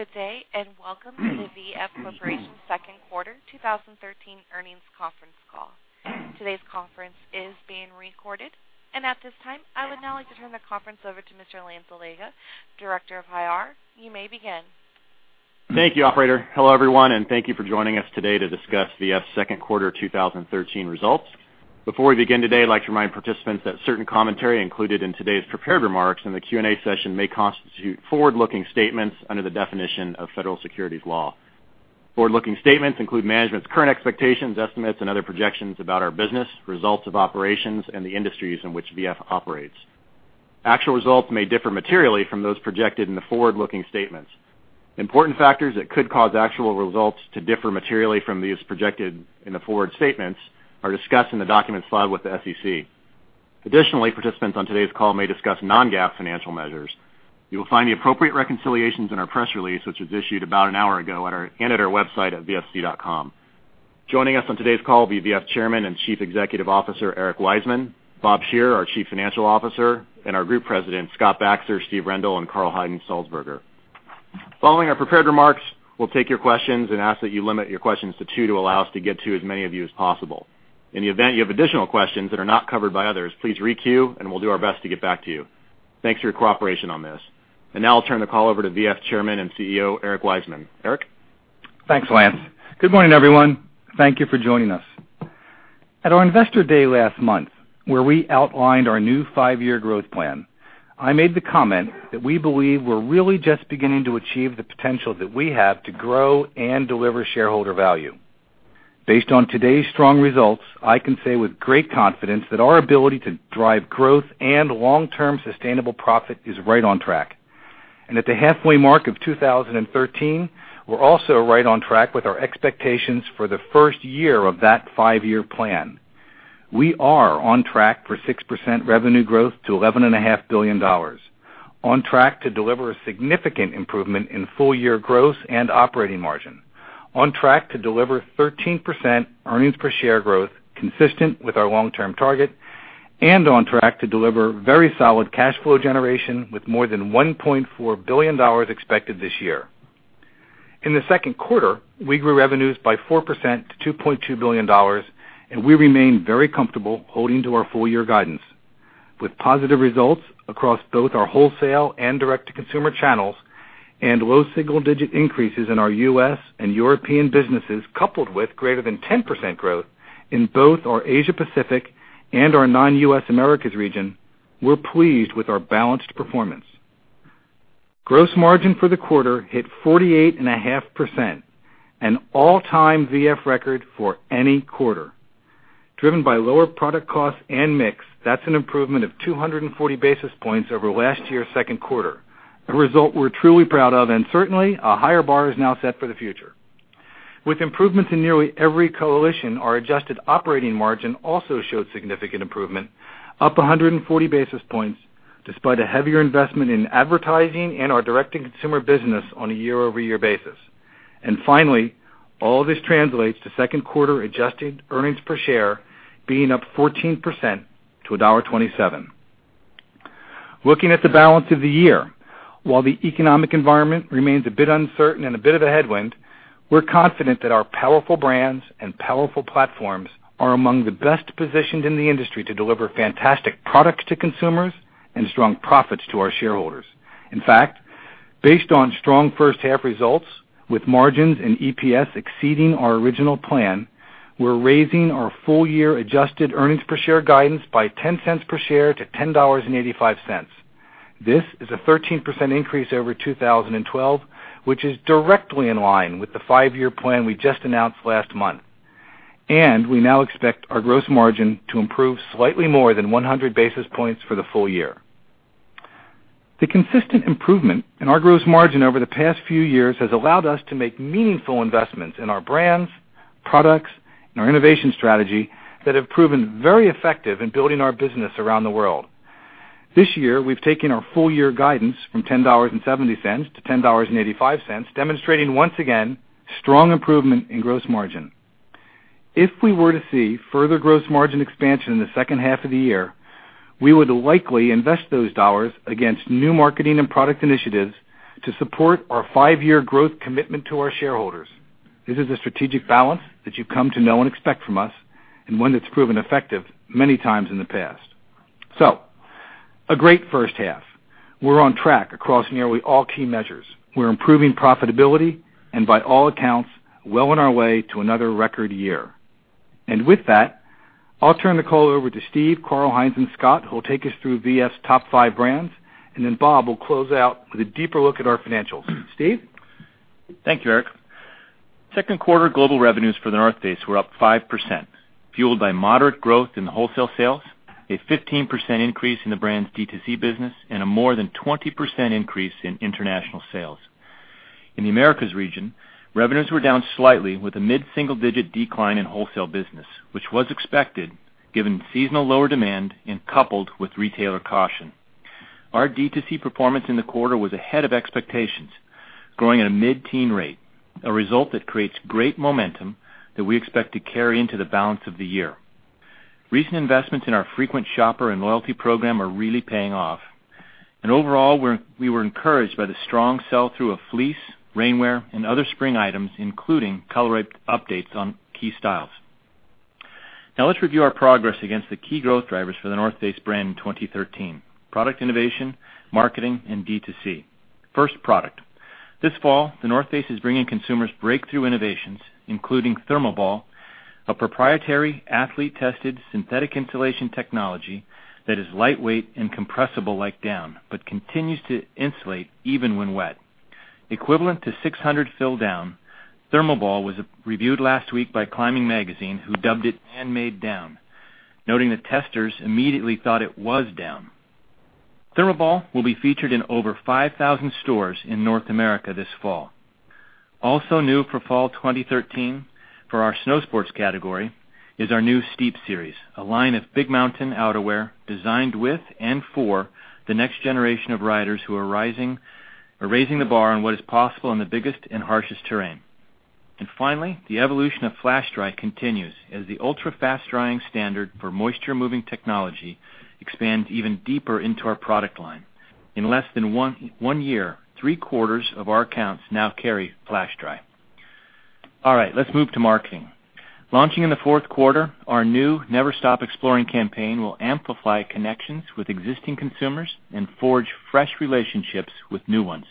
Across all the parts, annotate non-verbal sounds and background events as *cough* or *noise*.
Good day. Welcome to VF Corporation's second quarter 2013 earnings conference call. Today's conference is being recorded. At this time, I would now like to turn the conference over to Mr. Lance Allega, Director of IR. You may begin. Thank you, operator. Hello, everyone. Thank you for joining us today to discuss VF's second quarter 2013 results. Before we begin today, I'd like to remind participants that certain commentary included in today's prepared remarks and the Q&A session may constitute forward-looking statements under the definition of federal securities law. Forward-looking statements include management's current expectations, estimates, and other projections about our business, results of operations, and the industries in which VF operates. Actual results may differ materially from those projected in the forward-looking statements. Important factors that could cause actual results to differ materially from these projected in the forward statements are discussed in the documents filed with the SEC. Additionally, participants on today's call may discuss non-GAAP financial measures. You will find the appropriate reconciliations in our press release, which was issued about an hour ago and at our website at vfc.com. Joining us on today's call will be VF Chairman and Chief Executive Officer, Eric Wiseman; Robert Shearer, our Chief Financial Officer; and our Group Presidents, Scott Baxter, Steve Rendle, and Karl-Heinz Salzburger. Following our prepared remarks, we'll take your questions and ask that you limit your questions to two to allow us to get to as many of you as possible. In the event you have additional questions that are not covered by others, please re-queue, and we'll do our best to get back to you. Thanks for your cooperation on this. Now I'll turn the call over to VF Chairman and CEO, Eric Wiseman. Eric? Thanks, Lance. Good morning, everyone. Thank you for joining us. At our investor day last month, where we outlined our new five-year growth plan, I made the comment that we believe we're really just beginning to achieve the potential that we have to grow and deliver shareholder value. Based on today's strong results, I can say with great confidence that our ability to drive growth and long-term sustainable profit is right on track. At the halfway mark of 2013, we're also right on track with our expectations for the first year of that five-year plan. We are on track for 6% revenue growth to $11.5 billion, on track to deliver a significant improvement in full-year growth and operating margin, on track to deliver 13% earnings per share growth consistent with our long-term target, on track to deliver very solid cash flow generation with more than $1.4 billion expected this year. In the second quarter, we grew revenues by 4% to $2.2 billion, and we remain very comfortable holding to our full-year guidance. With positive results across both our wholesale and direct-to-consumer channels and low single-digit increases in our U.S. and European businesses, coupled with greater than 10% growth in both our Asia Pacific and our non-U.S. Americas region, we're pleased with our balanced performance. Gross margin for the quarter hit 48.5%, an all-time VF record for any quarter. Driven by lower product costs and mix, that's an improvement of 240 basis points over last year's second quarter, a result we're truly proud of, and certainly, a higher bar is now set for the future. With improvements in nearly every coalition, our adjusted operating margin also showed significant improvement, up 140 basis points, despite a heavier investment in advertising and our direct-to-consumer business on a year-over-year basis. Finally, all this translates to second quarter adjusted earnings per share being up 14% to $1.27. Looking at the balance of the year, while the economic environment remains a bit uncertain and a bit of a headwind, we're confident that our powerful brands and powerful platforms are among the best positioned in the industry to deliver fantastic products to consumers and strong profits to our shareholders. In fact, based on strong first half results with margins and EPS exceeding our original plan, we're raising our full-year adjusted earnings per share guidance by $0.10 per share to $10.85. This is a 13% increase over 2012, which is directly in line with the five-year plan we just announced last month. We now expect our gross margin to improve slightly more than 100 basis points for the full year. The consistent improvement in our gross margin over the past few years has allowed us to make meaningful investments in our brands, products, and our innovation strategy that have proven very effective in building our business around the world. This year, we've taken our full-year guidance from $10.70 to $10.85, demonstrating once again, strong improvement in gross margin. If we were to see further gross margin expansion in the second half of the year, we would likely invest those dollars against new marketing and product initiatives to support our five-year growth commitment to our shareholders. This is a strategic balance that you've come to know and expect from us and one that's proven effective many times in the past. A great first half. We're on track across nearly all key measures. We're improving profitability and, by all accounts, well on our way to another record year. With that, I'll turn the call over to Steve, Karl-Heinz, and Scott, who will take us through VF's top five brands, and then Bob will close out with a deeper look at our financials. Steve? Thank you, Eric. Second quarter global revenues for The North Face were up 5%, fueled by moderate growth in the wholesale sales, a 15% increase in the brand's D2C business, and a more than 20% increase in international sales. In the Americas region, revenues were down slightly with a mid-single-digit decline in wholesale business, which was expected given seasonal lower demand and coupled with retailer caution. Our D2C performance in the quarter was ahead of expectations, growing at a mid-teen rate, a result that creates great momentum that we expect to carry into the balance of the year. Overall, we were encouraged by the strong sell-through of fleece, rainwear, and other spring items, including color updates on key styles. Now let's review our progress against the key growth drivers for The North Face brand in 2013: product innovation, marketing, and D2C. First, product. This fall, The North Face is bringing consumers breakthrough innovations, including ThermoBall, a proprietary athlete-tested synthetic insulation technology that is lightweight and compressible like down, but continues to insulate even when wet. Equivalent to 600 fill down, ThermoBall was reviewed last week by Climbing Magazine, who dubbed it manmade down, noting that testers immediately thought it was down. ThermoBall will be featured in over 5,000 stores in North America this fall. Finally, the evolution of FlashDry continues as the ultra-fast drying standard for moisture-moving technology expands even deeper into our product line. In less than one year, three-quarters of our accounts now carry FlashDry. All right. Let's move to marketing. Launching in the fourth quarter, our new Never Stop Exploring campaign will amplify connections with existing consumers and forge fresh relationships with new ones.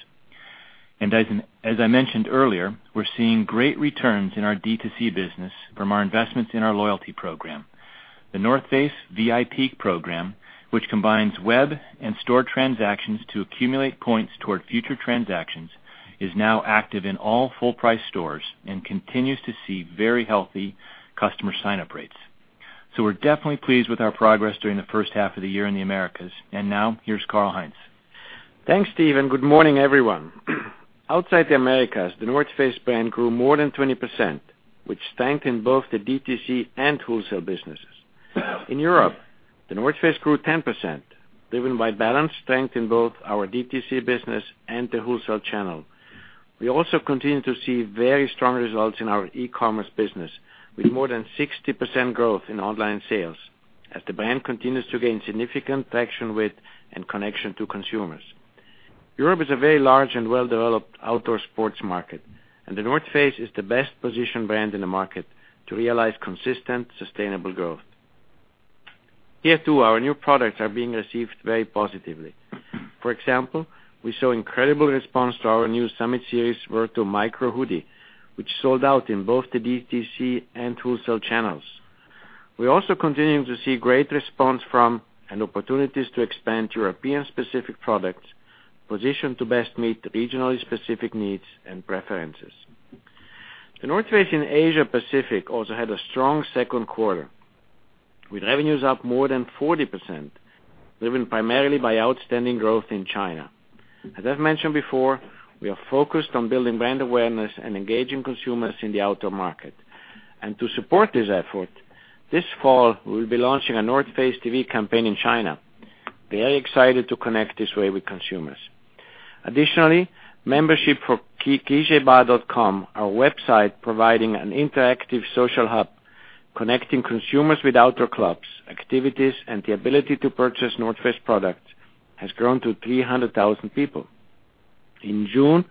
As I mentioned earlier, we're seeing great returns in our D2C business from our investments in our loyalty program. The North Face VIP program, which combines web and store transactions to accumulate points toward future transactions, is now active in all full price stores and continues to see very healthy customer sign-up rates. We're definitely pleased with our progress during the first half of the year in the Americas. Now, here's Karl-Heinz. Thanks, Steve. Good morning, everyone. Outside the Americas, The North Face brand grew more than 20%, which strengthened both the DTC and wholesale businesses. In Europe, The North Face grew 10%, driven by balanced strength in both our DTC business and the wholesale channel. We also continue to see very strong results in our e-commerce business, with more than 60% growth in online sales as the brand continues to gain significant traction with and connection to consumers. Europe is a very large and well-developed outdoor sports market, and The North Face is the best positioned brand in the market to realize consistent sustainable growth. Here, too, our new products are being received very positively. For example, we saw incredible response to our new Summit Series Verto Micro Hoodie, which sold out in both the DTC and wholesale channels. We're also continuing to see great response from and opportunities to expand European-specific products positioned to best meet the regionally specific needs and preferences. The North Face in Asia Pacific also had a strong second quarter, with revenues up more than 40%, driven primarily by outstanding growth in China. As I've mentioned before, we are focused on building brand awareness and engaging consumers in the outdoor market. To support this effort, this fall we'll be launching a The North Face TV campaign in China. Very excited to connect this way with consumers. Additionally, membership for PlanetExplore, our website providing an interactive social hub connecting consumers with outdoor clubs, activities, and the ability to purchase The North Face products, has grown to 300,000 people. In June,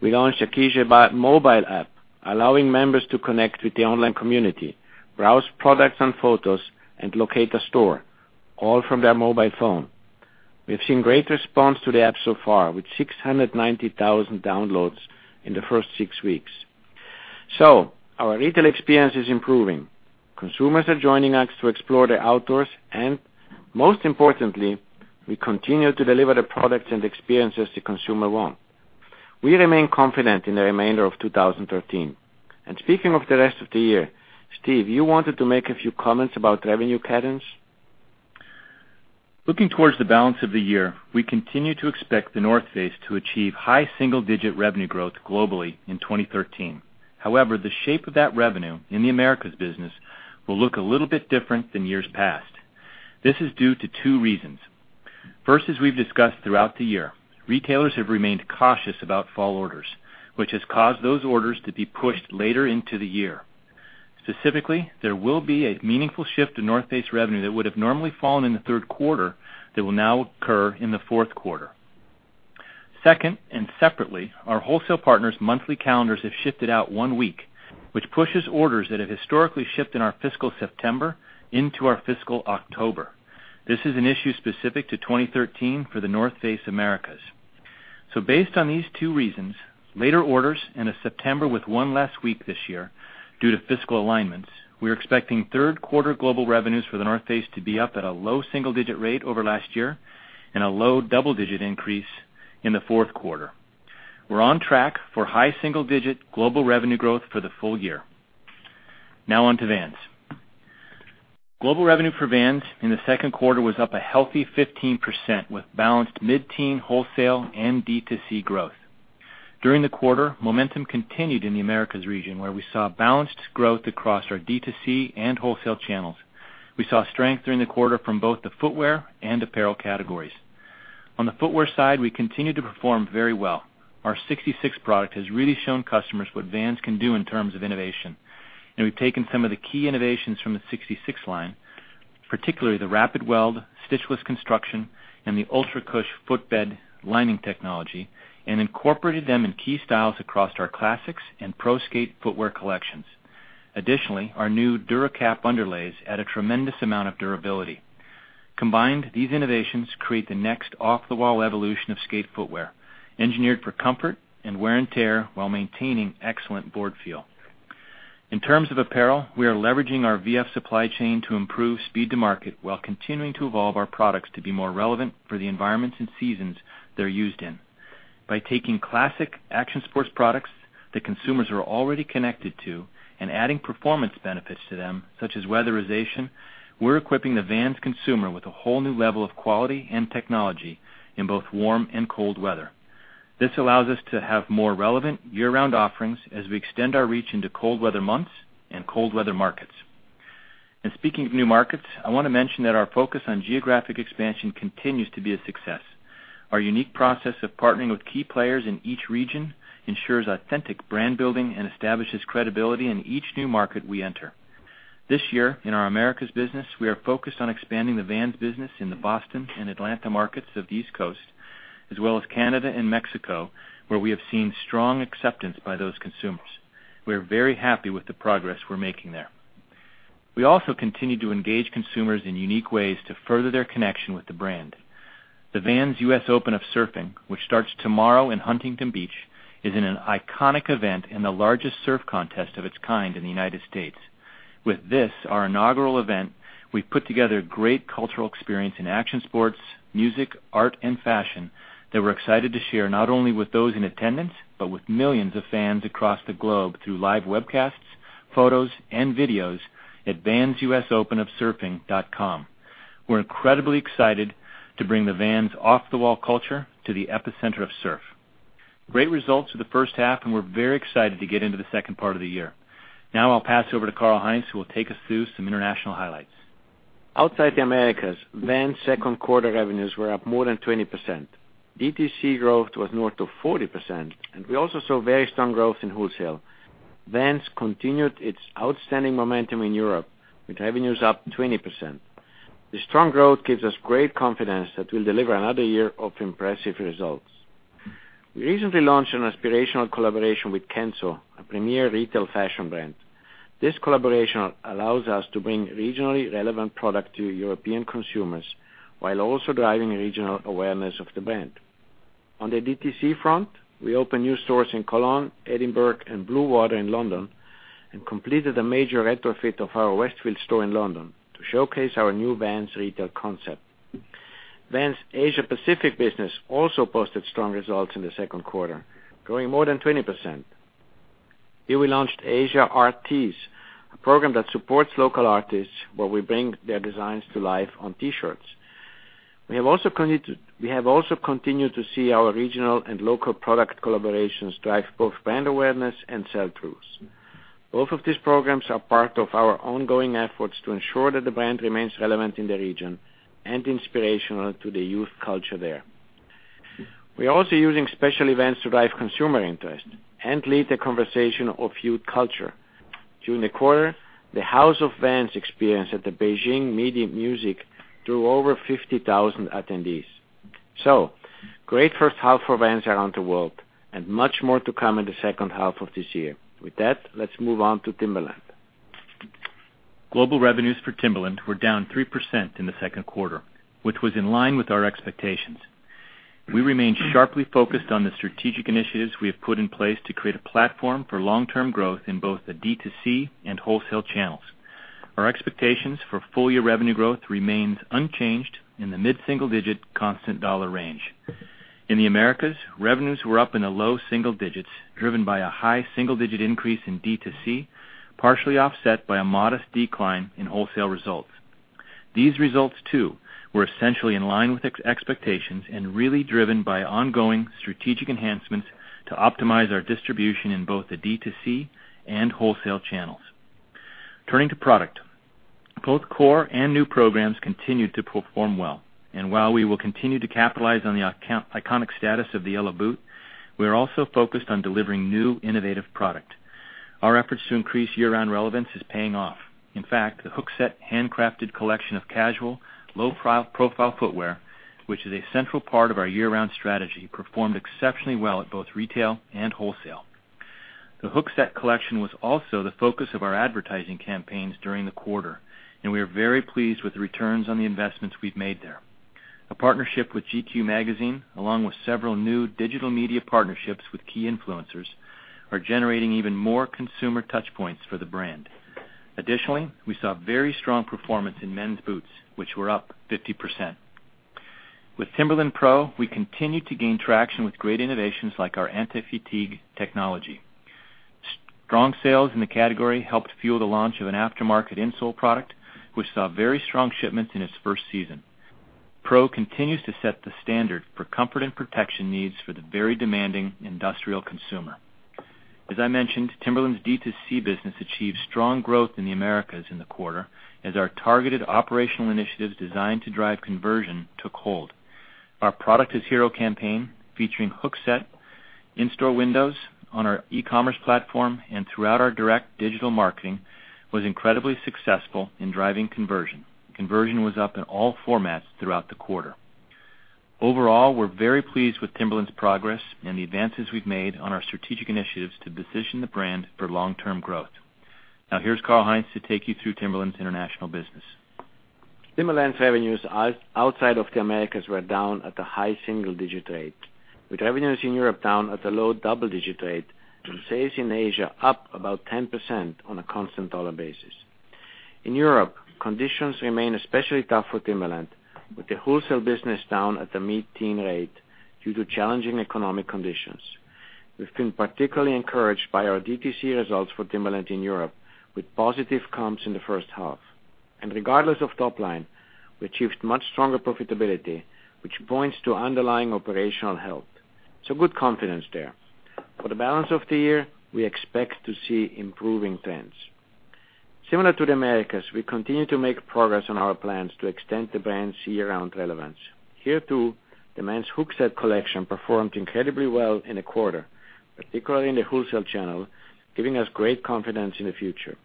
we launched the *inaudible* mobile app, allowing members to connect with the online community, browse products and photos, and locate a store, all from their mobile phone. We've seen great response to the app so far, with 690,000 downloads in the first six weeks. Our retail experience is improving. Consumers are joining us to explore the outdoors, and most importantly, we continue to deliver the products and experiences the consumer want. We remain confident in the remainder of 2013. Speaking of the rest of the year, Steve, you wanted to make a few comments about revenue patterns? Looking towards the balance of the year, we continue to expect The North Face to achieve high single-digit revenue growth globally in 2013. However, the shape of that revenue in the Americas business will look a little bit different than years past. This is due to two reasons. First, as we've discussed throughout the year, retailers have remained cautious about fall orders, which has caused those orders to be pushed later into the year. Specifically, there will be a meaningful shift in The North Face revenue that would have normally fallen in the third quarter that will now occur in the fourth quarter. Second, and separately, our wholesale partners' monthly calendars have shifted out one week, which pushes orders that have historically shipped in our fiscal September into our fiscal October. This is an issue specific to 2013 for The North Face Americas. Based on these two reasons, later orders and a September with one last week this year due to fiscal alignments, we are expecting third quarter global revenues for The North Face to be up at a low single-digit rate over last year and a low double-digit increase in the fourth quarter. We are on track for high single-digit global revenue growth for the full year. On to Vans. Global revenue for Vans in the second quarter was up a healthy 15%, with balanced mid-teen wholesale and D2C growth. During the quarter, momentum continued in the Americas region, where we saw balanced growth across our D2C and wholesale channels. We saw strength during the quarter from both the footwear and apparel categories. On the footwear side, we continue to perform very well. Our LXVI product has really shown customers what Vans can do in terms of innovation. We have taken some of the key innovations from the LXVI line, particularly the Rapidweld stitch-less construction and the UltraCush footbed lining technology, and incorporated them in key styles across our classics and pro skate footwear collections. Additionally, our new DuraCap underlays add a tremendous amount of durability. Combined, these innovations create the next off-the-wall evolution of skate footwear, engineered for comfort and wear and tear while maintaining excellent board feel. In terms of apparel, we are leveraging our VF supply chain to improve speed to market, while continuing to evolve our products to be more relevant for the environments and seasons they are used in. By taking classic action sports products that consumers are already connected to and adding performance benefits to them, such as weatherization, we are equipping the Vans consumer with a whole new level of quality and technology in both warm and cold weather. This allows us to have more relevant year-round offerings as we extend our reach into cold weather months and cold weather markets. Speaking of new markets, I want to mention that our focus on geographic expansion continues to be a success. Our unique process of partnering with key players in each region ensures authentic brand building and establishes credibility in each new market we enter. This year, in our Americas business, we are focused on expanding the Vans business in the Boston and Atlanta markets of the East Coast, as well as Canada and Mexico, where we have seen strong acceptance by those consumers. We are very happy with the progress we are making there. We also continue to engage consumers in unique ways to further their connection with the brand. The Vans US Open of Surfing, which starts tomorrow in Huntington Beach, is an iconic event and the largest surf contest of its kind in the United States. With this, our inaugural event, we have put together a great cultural experience in action sports, music, art, and fashion that we are excited to share not only with those in attendance, but with millions of fans across the globe through live webcasts, photos, and videos at vansusopenofsurfing.com. We are incredibly excited to bring the Vans off-the-wall culture to the epicenter of surf. Great results for the first half, we are very excited to get into the second part of the year. I will pass it over to Karl-Heinz, who will take us through some international highlights. Outside the Americas, Vans' second quarter revenues were up more than 20%. DTC growth was north of 40%, and we also saw very strong growth in wholesale. Vans continued its outstanding momentum in Europe with revenues up 20%. The strong growth gives us great confidence that we'll deliver another year of impressive results. We recently launched an aspirational collaboration with Kenzo, a premier retail fashion brand. This collaboration allows us to bring regionally relevant product to European consumers while also driving regional awareness of the brand. On the DTC front, we opened new stores in Cologne, Edinburgh, and Bluewater in London and completed a major retrofit of our Westfield store in London to showcase our new Vans retail concept. Vans' Asia-Pacific business also posted strong results in the second quarter, growing more than 20%. Here we launched Asia Arts, a program that supports local artists where we bring their designs to life on T-shirts. We have also continued to see our regional and local product collaborations drive both brand awareness and sell-throughs. Both of these programs are part of our ongoing efforts to ensure that the brand remains relevant in the region and inspirational to the youth culture there. We are also using special events to drive consumer interest and lead the conversation of youth culture. During the quarter, the House of Vans experience at the Beijing Midi Music Festival drew over 50,000 attendees. Great first half for Vans around the world and much more to come in the second half of this year. With that, let's move on to Timberland. Global revenues for Timberland were down 3% in the second quarter, which was in line with our expectations. We remain sharply focused on the strategic initiatives we have put in place to create a platform for long-term growth in both the DTC and wholesale channels. Our expectations for full-year revenue growth remains unchanged in the mid-single-digit constant dollar range. In the Americas, revenues were up in the low single digits, driven by a high single-digit increase in DTC, partially offset by a modest decline in wholesale results. These results, too, were essentially in line with expectations and really driven by ongoing strategic enhancements to optimize our distribution in both the DTC and wholesale channels. Turning to product, both core and new programs continued to perform well. While we will continue to capitalize on the iconic status of the yellow boot, we are also focused on delivering new, innovative product. Our efforts to increase year-round relevance is paying off. In fact, the Hookset handcrafted collection of casual, low-profile footwear, which is a central part of our year-round strategy, performed exceptionally well at both retail and wholesale. The Hookset collection was also the focus of our advertising campaigns during the quarter, and we are very pleased with the returns on the investments we've made there. A partnership with GQ magazine, along with several new digital media partnerships with key influencers, are generating even more consumer touchpoints for the brand. Additionally, we saw very strong performance in men's boots, which were up 50%. With Timberland PRO, we continued to gain traction with great innovations like our anti-fatigue technology. Strong sales in the category helped fuel the launch of an aftermarket insole product, which saw very strong shipments in its first season. PRO continues to set the standard for comfort and protection needs for the very demanding industrial consumer. As I mentioned, Timberland's D2C business achieved strong growth in the Americas in the quarter as our targeted operational initiatives designed to drive conversion took hold. Our Product Is Hero campaign, featuring Hookset in-store windows on our e-commerce platform and throughout our direct digital marketing, was incredibly successful in driving conversion. Conversion was up in all formats throughout the quarter. Overall, we're very pleased with Timberland's progress and the advances we've made on our strategic initiatives to position the brand for long-term growth. Now, here's Karl-Heinz to take you through Timberland's international business. Timberland's revenues outside of the Americas were down at the high single-digit rate, with revenues in Europe down at a low double-digit rate and sales in Asia up about 10% on a constant dollar basis. In Europe, conditions remain especially tough for Timberland, with the wholesale business down at a mid-teen rate due to challenging economic conditions. We've been particularly encouraged by our DTC results for Timberland in Europe, with positive comps in the first half. Regardless of top line, we achieved much stronger profitability, which points to underlying operational health. Good confidence there. For the balance of the year, we expect to see improving trends. Similar to the Americas, we continue to make progress on our plans to extend the brand's year-round relevance. Hereto, the men's Hookset collection performed incredibly well in a quarter, particularly in the wholesale channel, giving us great confidence in the future.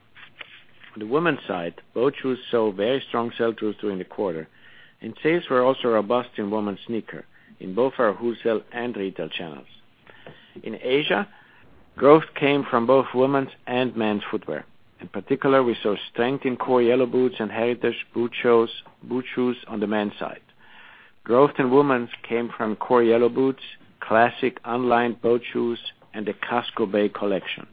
On the women's side, boat shoes saw very strong sell-through during the quarter, and sales were also robust in women's sneaker in both our wholesale and retail channels. In Asia, growth came from both women's and men's footwear. In particular, we saw strength in core yellow boots and heritage boot shoes on the men's side. Growth in women's came from core yellow boots, classic unlined boat shoes, and the Casco Bay collection.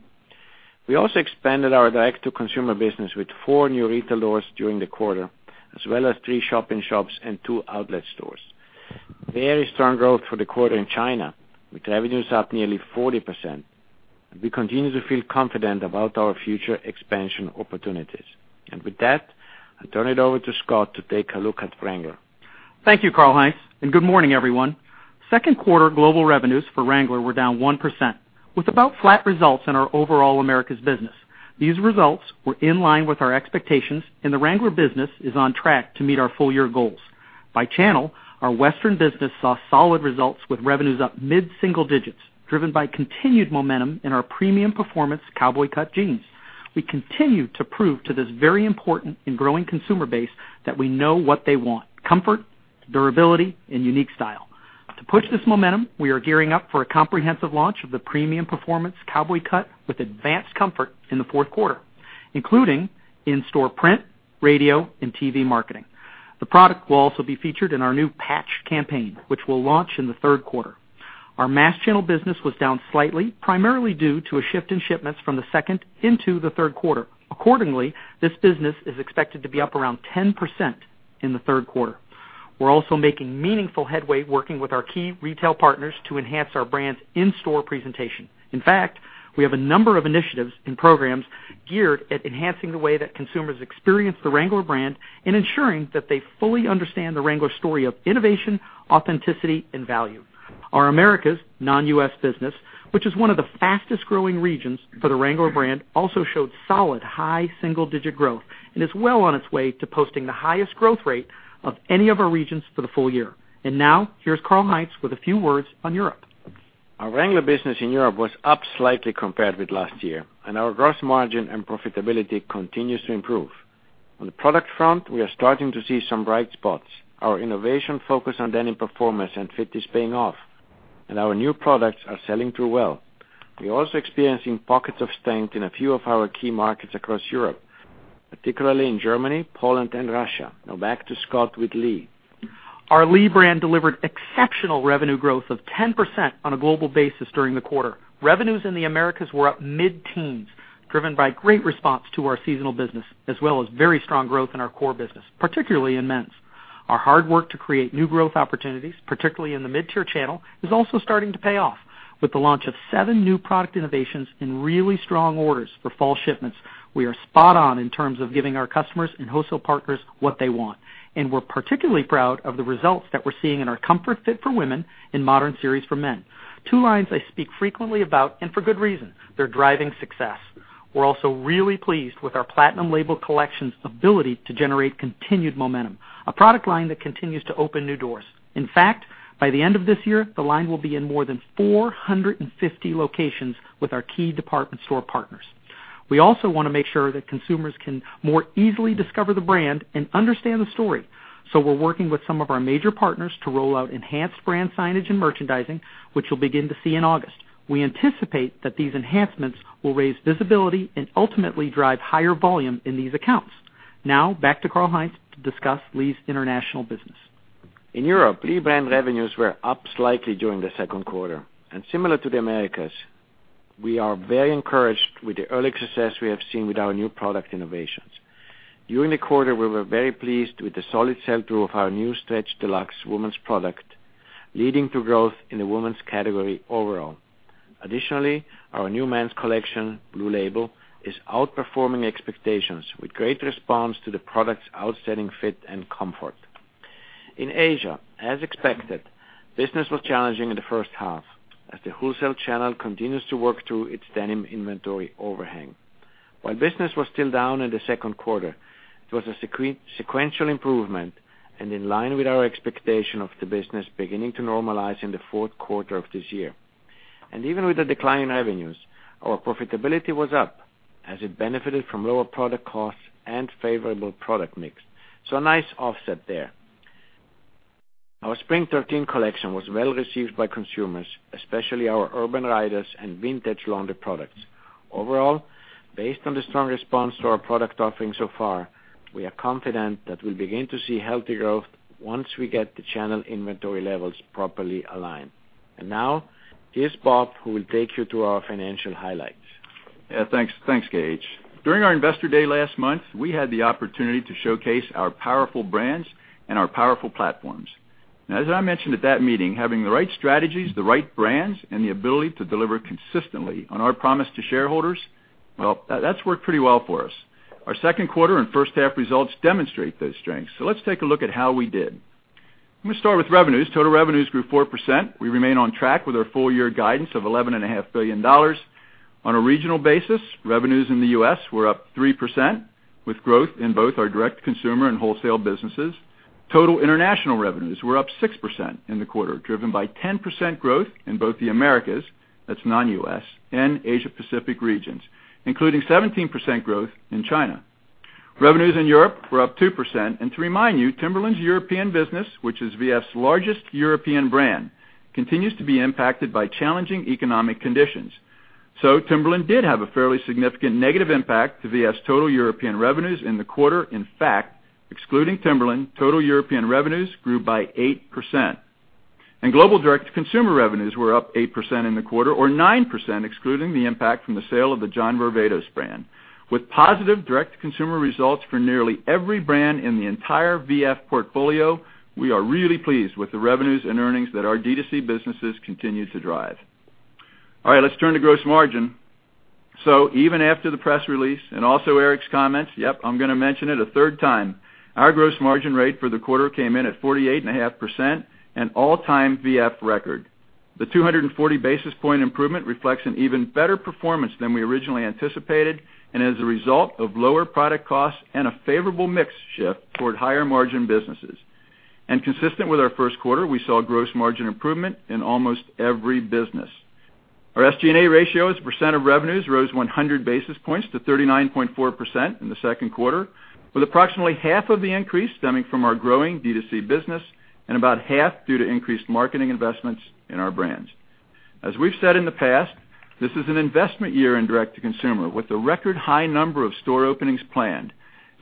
We also expanded our direct-to-consumer business with four new retailers during the quarter, as well as three shop in shops and two outlet stores. Very strong growth for the quarter in China, with revenues up nearly 40%. We continue to feel confident about our future expansion opportunities. With that, I'll turn it over to Scott to take a look at Wrangler. Thank you, Karl-Heinz, and good morning, everyone. Second quarter global revenues for Wrangler were down 1%, with about flat results in our overall Americas business. These results were in line with our expectations, and the Wrangler business is on track to meet our full-year goals. By channel, our Western business saw solid results with revenues up mid-single digits, driven by continued momentum in our premium performance cowboy cut jeans. We continue to prove to this very important and growing consumer base that we know what they want: comfort, durability, and unique style. To push this momentum, we are gearing up for a comprehensive launch of the premium performance cowboy cut with advanced comfort in the fourth quarter, including in-store print, radio, and TV marketing. The product will also be featured in our new Patch campaign, which will launch in the third quarter. Our mass channel business was down slightly, primarily due to a shift in shipments from the second into the third quarter. Accordingly, this business is expected to be up around 10% in the third quarter. We're also making meaningful headway working with our key retail partners to enhance our brand's in-store presentation. In fact, we have a number of initiatives and programs geared at enhancing the way that consumers experience the Wrangler brand and ensuring that they fully understand the Wrangler story of innovation, authenticity, and value. Our Americas non-U.S. business, which is one of the fastest-growing regions for the Wrangler brand, also showed solid high single-digit growth and is well on its way to posting the highest growth rate of any of our regions for the full year. Now, here's Karl-Heinz with a few words on Europe. Our Wrangler business in Europe was up slightly compared with last year. Our gross margin and profitability continues to improve. On the product front, we are starting to see some bright spots. Our innovation focus on denim performance and fit is paying off. Our new products are selling through well. We are also experiencing pockets of strength in a few of our key markets across Europe, particularly in Germany, Poland, and Russia. Now back to Scott with Lee. Our Lee brand delivered exceptional revenue growth of 10% on a global basis during the quarter. Revenues in the Americas were up mid-teens, driven by great response to our seasonal business, as well as very strong growth in our core business, particularly in men's. Our hard work to create new growth opportunities, particularly in the mid-tier channel, is also starting to pay off. With the launch of seven new product innovations and really strong orders for fall shipments, we are spot on in terms of giving our customers and wholesale partners what they want. We're particularly proud of the results that we're seeing in our Comfort Fit for women and Modern Series for men. Two lines I speak frequently about, and for good reason. They're driving success. We're also really pleased with our Platinum Label collection's ability to generate continued momentum. A product line that continues to open new doors. In fact, by the end of this year, the line will be in more than 450 locations with our key department store partners. We also want to make sure that consumers can more easily discover the brand and understand the story. We're working with some of our major partners to roll out enhanced brand signage and merchandising, which you'll begin to see in August. We anticipate that these enhancements will raise visibility and ultimately drive higher volume in these accounts. Now back to Karl-Heinz to discuss Lee's international business. In Europe, Lee brand revenues were up slightly during the second quarter. Similar to the Americas, we are very encouraged with the early success we have seen with our new product innovations. During the quarter, we were very pleased with the solid sell-through of our new Stretch Deluxe women's product, leading to growth in the women's category overall. Additionally, our new men's collection, Blue Label, is outperforming expectations with great response to the product's outstanding fit and comfort. In Asia, as expected, business was challenging in the first half as the wholesale channel continues to work through its denim inventory overhang. While business was still down in the second quarter, it was a sequential improvement and in line with our expectation of the business beginning to normalize in the fourth quarter of this year. Even with the decline in revenues, our profitability was up as it benefited from lower product costs and favorable product mix. A nice offset there. Our Spring 2013 collection was well received by consumers, especially our Urban Riders and Vintage Laundry products. Overall, based on the strong response to our product offering so far, we'll begin to see healthy growth once we get the channel inventory levels properly aligned. Now, here's Bob, who will take you to our financial highlights. Yeah, thanks, Scott Baxter. During our Investor Day last month, we had the opportunity to showcase our powerful brands and our powerful platforms. As I mentioned at that meeting, having the right strategies, the right brands, and the ability to deliver consistently on our promise to shareholders, well, that's worked pretty well for us. Our second quarter and first half results demonstrate those strengths. Let's take a look at how we did. I'm going to start with revenues. Total revenues grew 4%. We remain on track with our full-year guidance of $11.5 billion. On a regional basis, revenues in the U.S. were up 3%, with growth in both our direct-to-consumer and wholesale businesses. Total international revenues were up 6% in the quarter, driven by 10% growth in both the Americas, that's non-U.S., and Asia Pacific regions, including 17% growth in China. Revenues in Europe were up 2%. To remind you, Timberland's European business, which is VF's largest European brand, continues to be impacted by challenging economic conditions. Timberland did have a fairly significant negative impact to VF's total European revenues in the quarter. In fact, excluding Timberland, total European revenues grew by 8%. Global direct-to-consumer revenues were up 8% in the quarter or 9%, excluding the impact from the sale of the John Varvatos brand. With positive direct-to-consumer results for nearly every brand in the entire VF portfolio, we are really pleased with the revenues and earnings that our D2C businesses continue to drive. All right, let's turn to gross margin. Even after the press release and also Eric's comments, I'm going to mention it a third time, our gross margin rate for the quarter came in at 48.5%, an all-time VF record. The 240 basis point improvement reflects an even better performance than we originally anticipated. As a result of lower product costs and a favorable mix shift toward higher margin businesses. Consistent with our first quarter, we saw a gross margin improvement in almost every business. Our SG&A ratio as a % of revenues rose 100 basis points to 39.4% in the second quarter, with approximately half of the increase stemming from our growing D2C business and about half due to increased marketing investments in our brands. As we've said in the past, this is an investment year in direct-to-consumer, with a record high number of store openings planned.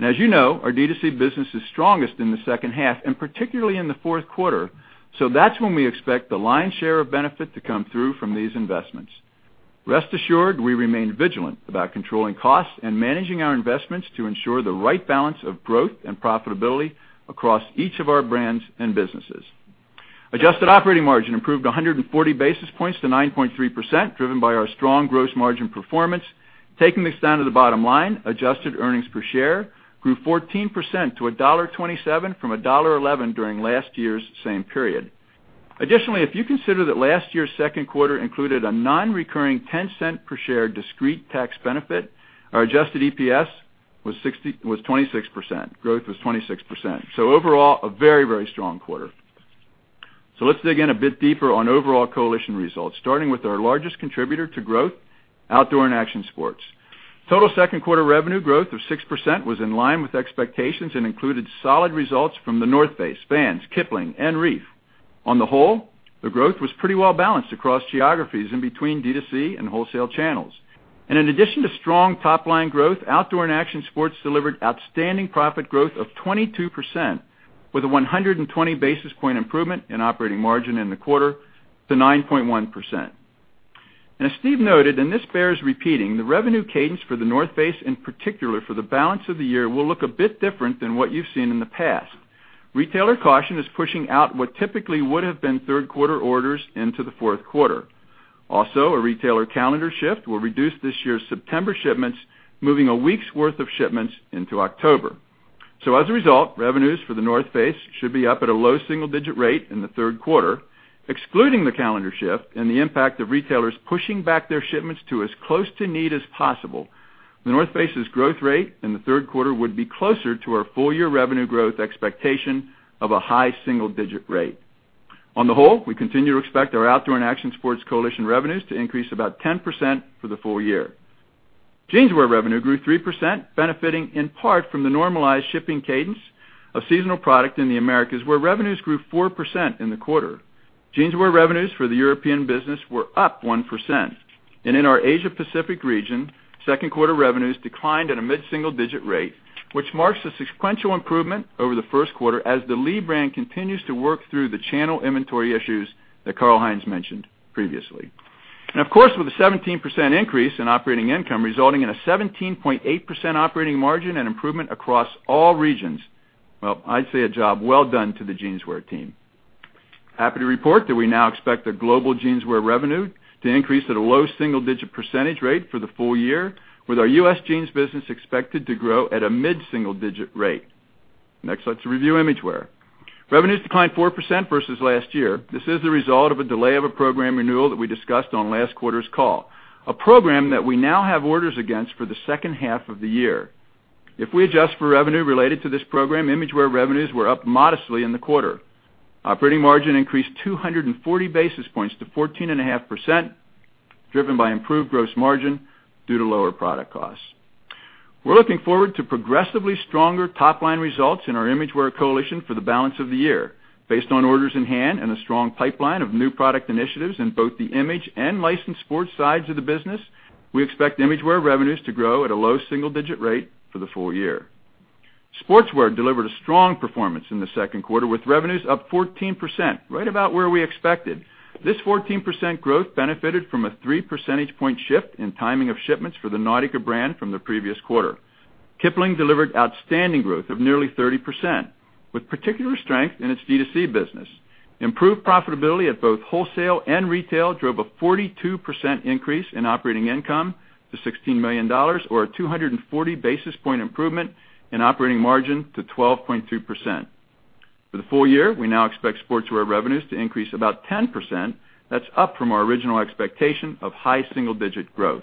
As you know, our D2C business is strongest in the second half and particularly in the fourth quarter. That's when we expect the lion's share of benefit to come through from these investments. Rest assured, we remain vigilant about controlling costs and managing our investments to ensure the right balance of growth and profitability across each of our brands and businesses. Adjusted operating margin improved 140 basis points to 9.3%, driven by our strong gross margin performance. Taking this down to the bottom line, adjusted earnings per share grew 14% to $1.27 from $1.11 during last year's same period. Additionally, if you consider that last year's second quarter included a non-recurring $0.10 per share discrete tax benefit, our adjusted EPS was 26%. Growth was 26%. Overall, a very strong quarter. Let's dig in a bit deeper on overall coalition results, starting with our largest contributor to growth, Outdoor and Action Sports. Total second quarter revenue growth of 6% was in line with expectations and included solid results from The North Face, Vans, Kipling, and Reef. On the whole, the growth was pretty well balanced across geographies and between D2C and wholesale channels. In addition to strong top-line growth, Outdoor and Action Sports delivered outstanding profit growth of 22%, with a 120 basis point improvement in operating margin in the quarter to 9.1%. As Steve noted, and this bears repeating, the revenue cadence for The North Face, in particular for the balance of the year, will look a bit different than what you've seen in the past. Retailer caution is pushing out what typically would have been third quarter orders into the fourth quarter. Also, a retailer calendar shift will reduce this year's September shipments, moving a week's worth of shipments into October. As a result, revenues for The North Face should be up at a low single-digit rate in the third quarter. Excluding the calendar shift and the impact of retailers pushing back their shipments to as close to need as possible, The North Face's growth rate in the third quarter would be closer to our full-year revenue growth expectation of a high single-digit rate. On the whole, we continue to expect our Outdoor and Action Sports coalition revenues to increase about 10% for the full year. Jeanswear revenue grew 3%, benefiting in part from the normalized shipping cadence of seasonal product in the Americas, where revenues grew 4% in the quarter. Jeanswear revenues for the European business were up 1%. In our Asia Pacific region, second quarter revenues declined at a mid-single digit rate, which marks a sequential improvement over the first quarter as the Lee brand continues to work through the channel inventory issues that Karl-Heinz mentioned previously. Of course, with a 17% increase in operating income resulting in a 17.8% operating margin and improvement across all regions, well, I'd say a job well done to the Jeanswear team. Happy to report that we now expect the global Jeanswear revenue to increase at a low single-digit percentage rate for the full year, with our U.S. jeans business expected to grow at a mid-single-digit rate. Next, let's review Imagewear. Revenues declined 4% versus last year. This is the result of a delay of a program renewal that we discussed on last quarter's call, a program that we now have orders against for the second half of the year. If we adjust for revenue related to this program, Imagewear revenues were up modestly in the quarter. Operating margin increased 240 basis points to 14.5%, driven by improved gross margin due to lower product costs. We're looking forward to progressively stronger top-line results in our Imagewear coalition for the balance of the year. Based on orders in hand and a strong pipeline of new product initiatives in both the image and licensed sports sides of the business, we expect Imagewear revenues to grow at a low single-digit rate for the full year. Sportswear delivered a strong performance in the second quarter, with revenues up 14%, right about where we expected. This 14% growth benefited from a 3 percentage point shift in timing of shipments for the Nautica brand from the previous quarter. Kipling delivered outstanding growth of nearly 30%, with particular strength in its D2C business. Improved profitability at both wholesale and retail drove a 42% increase in operating income to $16 million, or a 240 basis point improvement in operating margin to 12.2%. For the full year, we now expect Sportswear revenues to increase about 10%. That's up from our original expectation of high single-digit growth.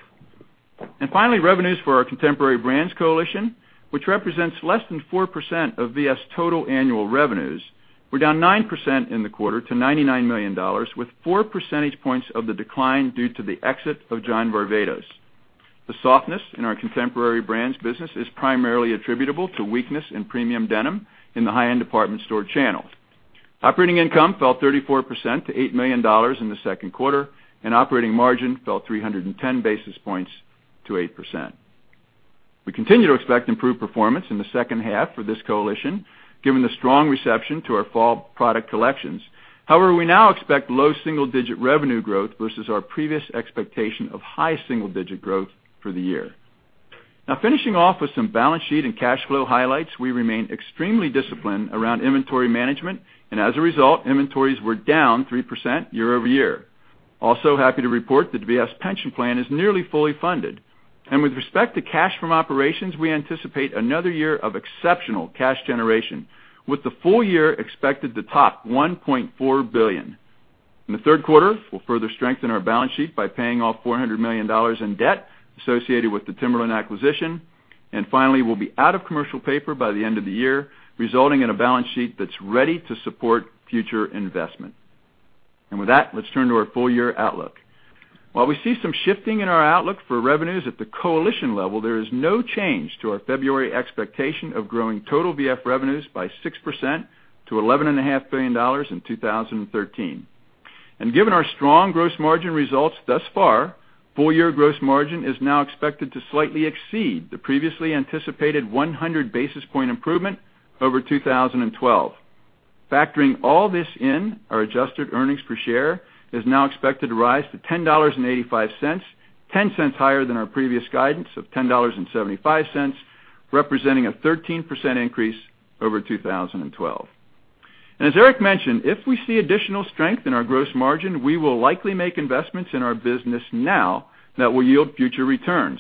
Finally, revenues for our Contemporary Brands coalition, which represents less than 4% of VF's total annual revenues, were down 9% in the quarter to $99 million, with 4 percentage points of the decline due to the exit of John Varvatos. The softness in our Contemporary Brands business is primarily attributable to weakness in premium denim in the high-end department store channels. Operating income fell 34% to $8 million in the second quarter, and operating margin fell 310 basis points to 8%. We continue to expect improved performance in the second half for this coalition, given the strong reception to our fall product collections. However, we now expect low double-digit revenue growth versus our previous expectation of high single-digit growth for the year. Now finishing off with some balance sheet and cash flow highlights. We remain extremely disciplined around inventory management, and as a result, inventories were down 3% year-over-year. Also happy to report that VF's pension plan is nearly fully funded. With respect to cash from operations, we anticipate another year of exceptional cash generation, with the full year expected to top $1.4 billion. In the third quarter, we'll further strengthen our balance sheet by paying off $400 million in debt associated with the Timberland acquisition. Finally, we'll be out of commercial paper by the end of the year, resulting in a balance sheet that's ready to support future investment. With that, let's turn to our full-year outlook. While we see some shifting in our outlook for revenues at the coalition level, there is no change to our February expectation of growing total VF revenues by 6% to $11.5 billion in 2013. Given our strong gross margin results thus far, full-year gross margin is now expected to slightly exceed the previously anticipated 100-basis-point improvement over 2012. Factoring all this in, our adjusted earnings per share is now expected to rise to $10.85, $0.10 higher than our previous guidance of $10.75, representing a 13% increase over 2012. As Eric mentioned, if we see additional strength in our gross margin, we will likely make investments in our business now that will yield future returns.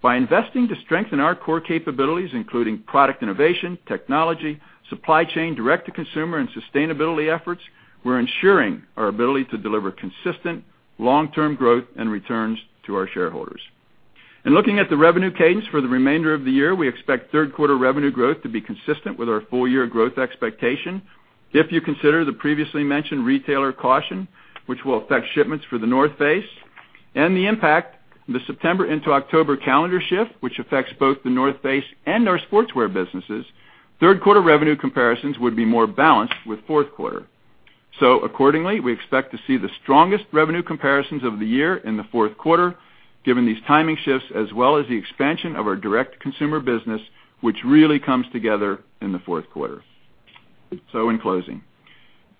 By investing to strengthen our core capabilities, including product innovation, technology, supply chain, direct-to-consumer, and sustainability efforts, we are ensuring our ability to deliver consistent long-term growth and returns to our shareholders. In looking at the revenue cadence for the remainder of the year, we expect third quarter revenue growth to be consistent with our full-year growth expectation. If you consider the previously mentioned retailer caution, which will affect shipments for The North Face, and the impact the September into October calendar shift, which affects both The North Face and our Sportswear businesses, third quarter revenue comparisons would be more balanced with fourth quarter. Accordingly, we expect to see the strongest revenue comparisons of the year in the fourth quarter, given these timing shifts as well as the expansion of our direct-to-consumer business, which really comes together in the fourth quarter. In closing,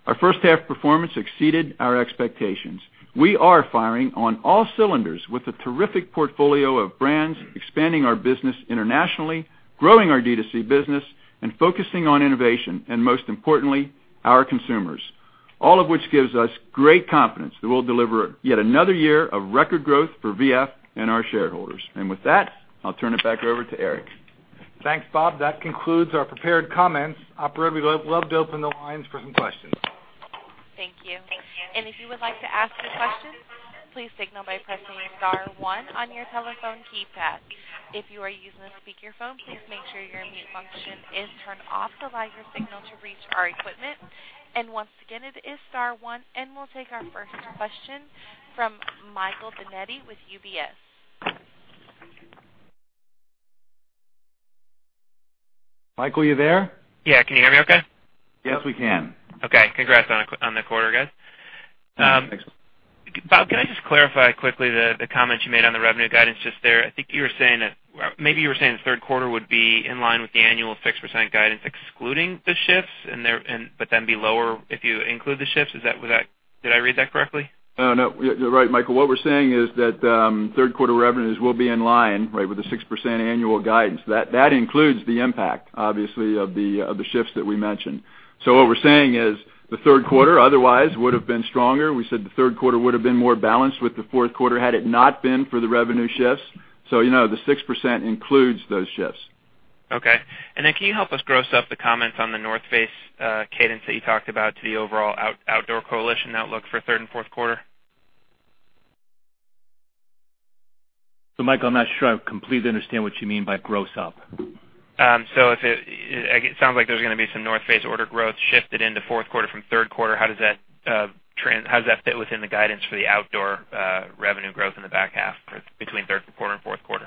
our first half performance exceeded our expectations. We are firing on all cylinders with a terrific portfolio of brands, expanding our business internationally, growing our D2C business, and focusing on innovation and most importantly, our consumers. All of which gives us great confidence that we will deliver yet another year of record growth for VF and our shareholders. With that, I will turn it back over to Eric. Thanks, Bob. That concludes our prepared comments. Operator, we would love to open the lines for some questions. Thank you. If you would like to ask a question, please signal by pressing star one on your telephone keypad. If you are using a speakerphone, please make sure your mute function is turned off to allow your signal to reach our equipment. Once again, it is star one, and we will take our first question from Michael Binetti with UBS. Michael, are you there? Yeah. Can you hear me okay? Yes, we can. Okay. Congrats on the quarter, guys. Thanks. Bob, can I just clarify quickly the comments you made on the revenue guidance just there? I think maybe you were saying the third quarter would be in line with the annual 6% guidance, excluding the shifts, but then be lower if you include the shifts. Did I read that correctly? No. You're right, Michael. What we're saying is that third quarter revenues will be in line with the 6% annual guidance. That includes the impact, obviously, of the shifts that we mentioned. What we're saying is the third quarter otherwise would've been stronger. We said the third quarter would've been more balanced with the fourth quarter had it not been for the revenue shifts. The 6% includes those shifts. Okay. Can you help us gross up the comments on The North Face cadence that you talked about to the overall outdoor coalition outlook for third and fourth quarter? Michael, I'm not sure I completely understand what you mean by gross up. It sounds like there's going to be some The North Face order growth shifted into fourth quarter from third quarter. How does that fit within the guidance for the outdoor revenue growth in the back half between third quarter and fourth quarter?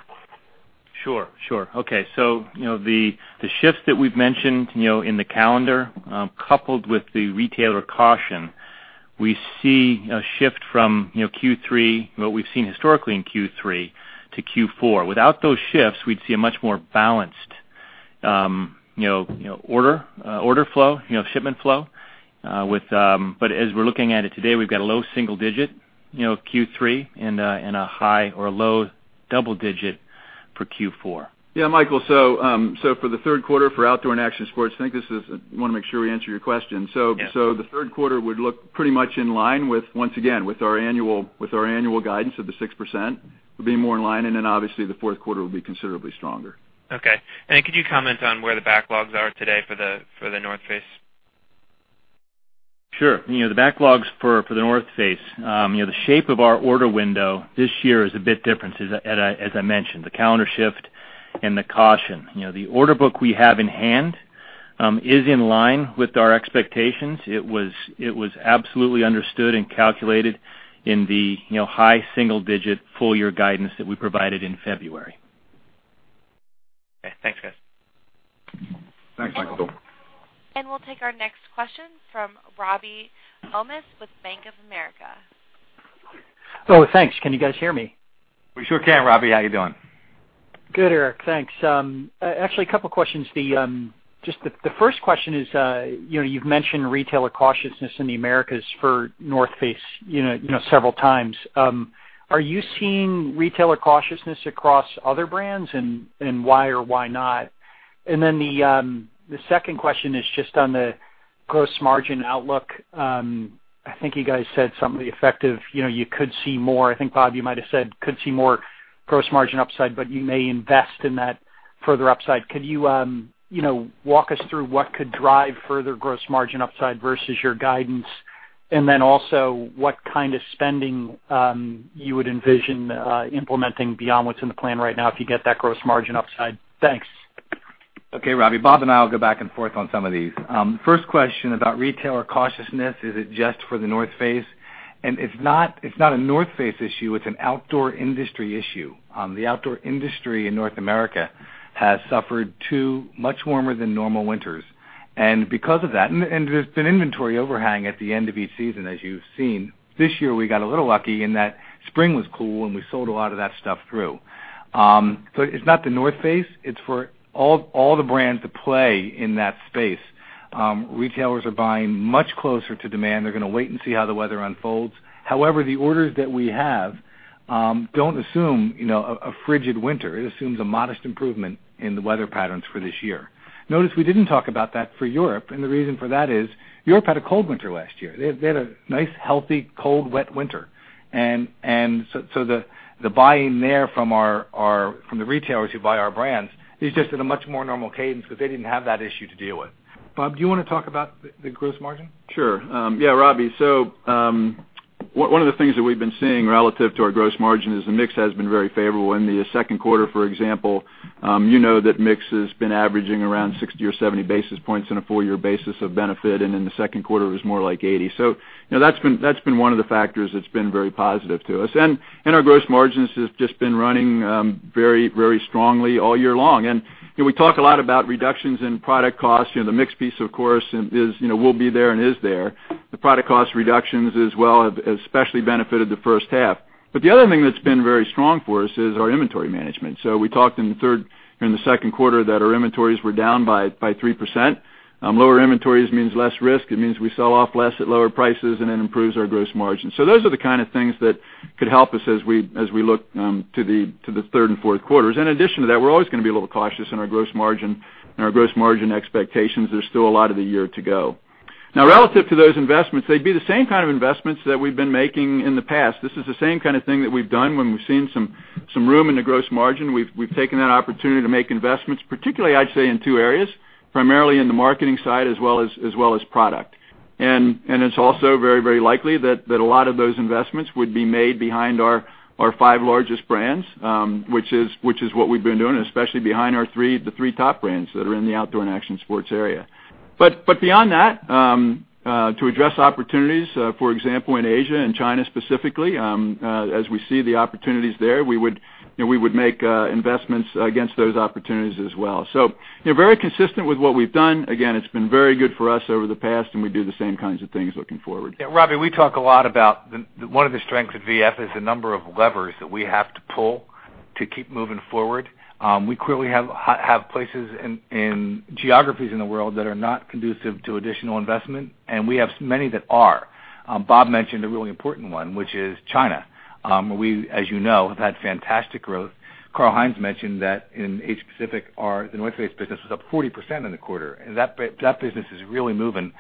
Sure. Okay. The shifts that we've mentioned in the calendar, coupled with the retailer caution, we see a shift from Q3, what we've seen historically in Q3 to Q4. Without those shifts, we'd see a much more balanced order flow, shipment flow. As we're looking at it today, we've got a low single-digit Q3 and a high or a low double-digit for Q4. Yeah, Michael, for the third quarter for Outdoor and Action Sports, I want to make sure we answer your question. Yeah. The third quarter would look pretty much in line with, once again, with our annual guidance of the 6%, would be more in line, obviously the fourth quarter will be considerably stronger. Okay. Could you comment on where the backlogs are today for The North Face? Sure. The backlogs for The North Face. The shape of our order window this year is a bit different, as I mentioned, the calendar shift and the caution. The order book we have in hand is in line with our expectations. It was absolutely understood and calculated in the high single digit full year guidance that we provided in February. Okay. Thanks, guys. Thanks, Michael. We'll take our next question from Robert Ohmes with Bank of America. Thanks. Can you guys hear me? We sure can, Robbie. How you doing? Good, Eric. Thanks. Actually, a couple questions. The first question is, you've mentioned retailer cautiousness in the Americas for The North Face several times. Are you seeing retailer cautiousness across other brands and why or why not? The second question is just on the gross margin outlook. I think you guys said something to the effect of you could see more. I think, Bob, you might've said could see more gross margin upside, but you may invest in that further upside. Could you walk us through what could drive further gross margin upside versus your guidance? Also what kind of spending you would envision implementing beyond what's in the plan right now if you get that gross margin upside? Thanks. Okay, Robbie. Bob and I will go back and forth on some of these. First question about retailer cautiousness, is it just for The North Face? It's not a The North Face issue, it's an outdoor industry issue. The outdoor industry in North America has suffered two much warmer than normal winters. Because of that, there's been inventory overhang at the end of each season, as you've seen. This year, we got a little lucky in that spring was cool, and we sold a lot of that stuff through. It's not The North Face, it's for all the brands that play in that space. Retailers are buying much closer to demand. They're going to wait and see how the weather unfolds. However, the orders that we have don't assume a frigid winter. It assumes a modest improvement in the weather patterns for this year. Notice we didn't talk about that for Europe, the reason for that is Europe had a cold winter last year. They had a nice, healthy, cold, wet winter. The buying there from the retailers who buy our brands is just at a much more normal cadence because they didn't have that issue to deal with. Bob, do you want to talk about the gross margin? Sure. Yeah, Robbie, one of the things that we've been seeing relative to our gross margin is the mix has been very favorable. In the second quarter, for example, you know that mix has been averaging around 60 or 70 basis points on a four-year basis of benefit, in the second quarter, it was more like 80. That's been one of the factors that's been very positive to us. Our gross margins have just been running very strongly all year long. We talk a lot about reductions in product costs. The mix piece, of course, will be there and is there. The product cost reductions as well have especially benefited the first half. The other thing that's been very strong for us is our inventory management. We talked in the second quarter that our inventories were down by 3%. Lower inventories means less risk. It means we sell off less at lower prices, and it improves our gross margin. Those are the kind of things that could help us as we look to the third and fourth quarters. In addition to that, we're always going to be a little cautious in our gross margin and our gross margin expectations. There's still a lot of the year to go. Relative to those investments, they'd be the same kind of investments that we've been making in the past. This is the same kind of thing that we've done when we've seen some room in the gross margin. We've taken that opportunity to make investments, particularly I'd say in two areas, primarily in the marketing side as well as product. It's also very likely that a lot of those investments would be made behind our five largest brands, which is what we've been doing, especially behind the three top brands that are in the Outdoor and Action Sports area. Beyond that, to address opportunities, for example, in Asia and China specifically, as we see the opportunities there, we would make investments against those opportunities as well. Very consistent with what we've done. Again, it's been very good for us over the past, and we do the same kinds of things looking forward. Yeah, Robbie, we talk a lot about one of the strengths of VF is the number of levers that we have to pull To keep moving forward. We clearly have places in geographies in the world that are not conducive to additional investment, and we have many that are. Bob mentioned a really important one, which is China. We, as you know, have had fantastic growth. Karl-Heinz mentioned that in Asia Pacific, The North Face business was up 40% in the quarter, and that business is really moving.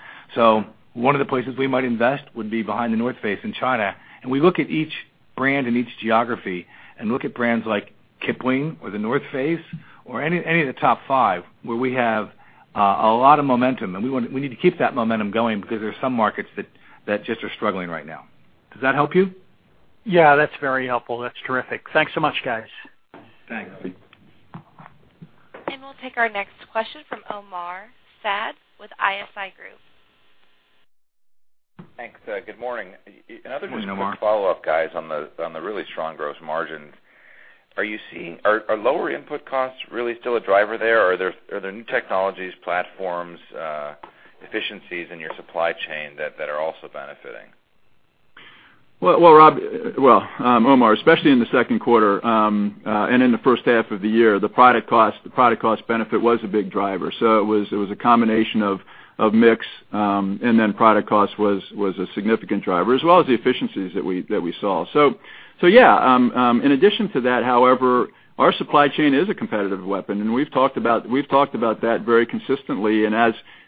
One of the places we might invest would be behind The North Face in China. We look at each brand in each geography and look at brands like Kipling or The North Face or any of the top five where we have a lot of momentum. We need to keep that momentum going because there's some markets that just are struggling right now. Does that help you? Yeah, that's very helpful. That's terrific. Thanks so much, guys. Thanks. We'll take our next question from Omar Saad with ISI Group. Thanks. Good morning. Good morning, Omar. Another just quick follow-up, guys, on the really strong gross margins. Are lower input costs really still a driver there, or are there new technologies, platforms, efficiencies in your supply chain that are also benefiting? Well, Omar, especially in the second quarter, in the first half of the year, the product cost benefit was a big driver. It was a combination of mix, and then product cost was a significant driver, as well as the efficiencies that we saw. Yeah. In addition to that, however, our supply chain is a competitive weapon, and we've talked about that very consistently.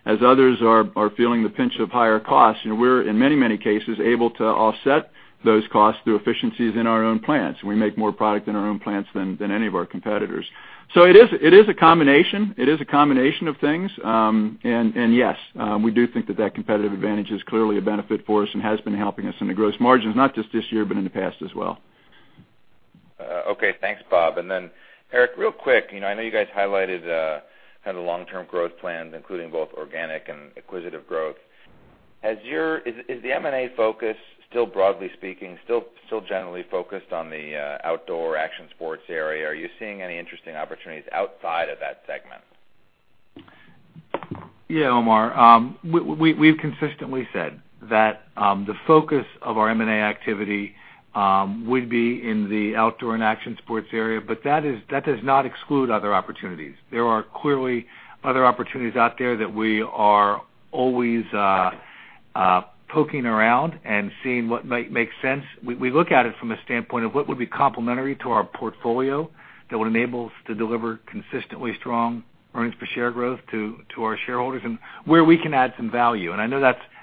As others are feeling the pinch of higher costs, we're, in many cases, able to offset those costs through efficiencies in our own plants. We make more product in our own plants than any of our competitors. It is a combination of things. Yes, we do think that that competitive advantage is clearly a benefit for us and has been helping us in the gross margins, not just this year, but in the past as well. Okay. Thanks, Bob. Eric, real quick, I know you guys highlighted the long-term growth plans, including both organic and acquisitive growth. Is the M&A focus, still broadly speaking, still generally focused on the Outdoor & Action Sports area? Are you seeing any interesting opportunities outside of that segment? Yeah, Omar. We've consistently said that the focus of our M&A activity would be in the Outdoor & Action Sports area, that does not exclude other opportunities. There are clearly other opportunities out there that we are always poking around and seeing what might make sense. We look at it from a standpoint of what would be complementary to our portfolio that would enable us to deliver consistently strong earnings per share growth to our shareholders and where we can add some value. I know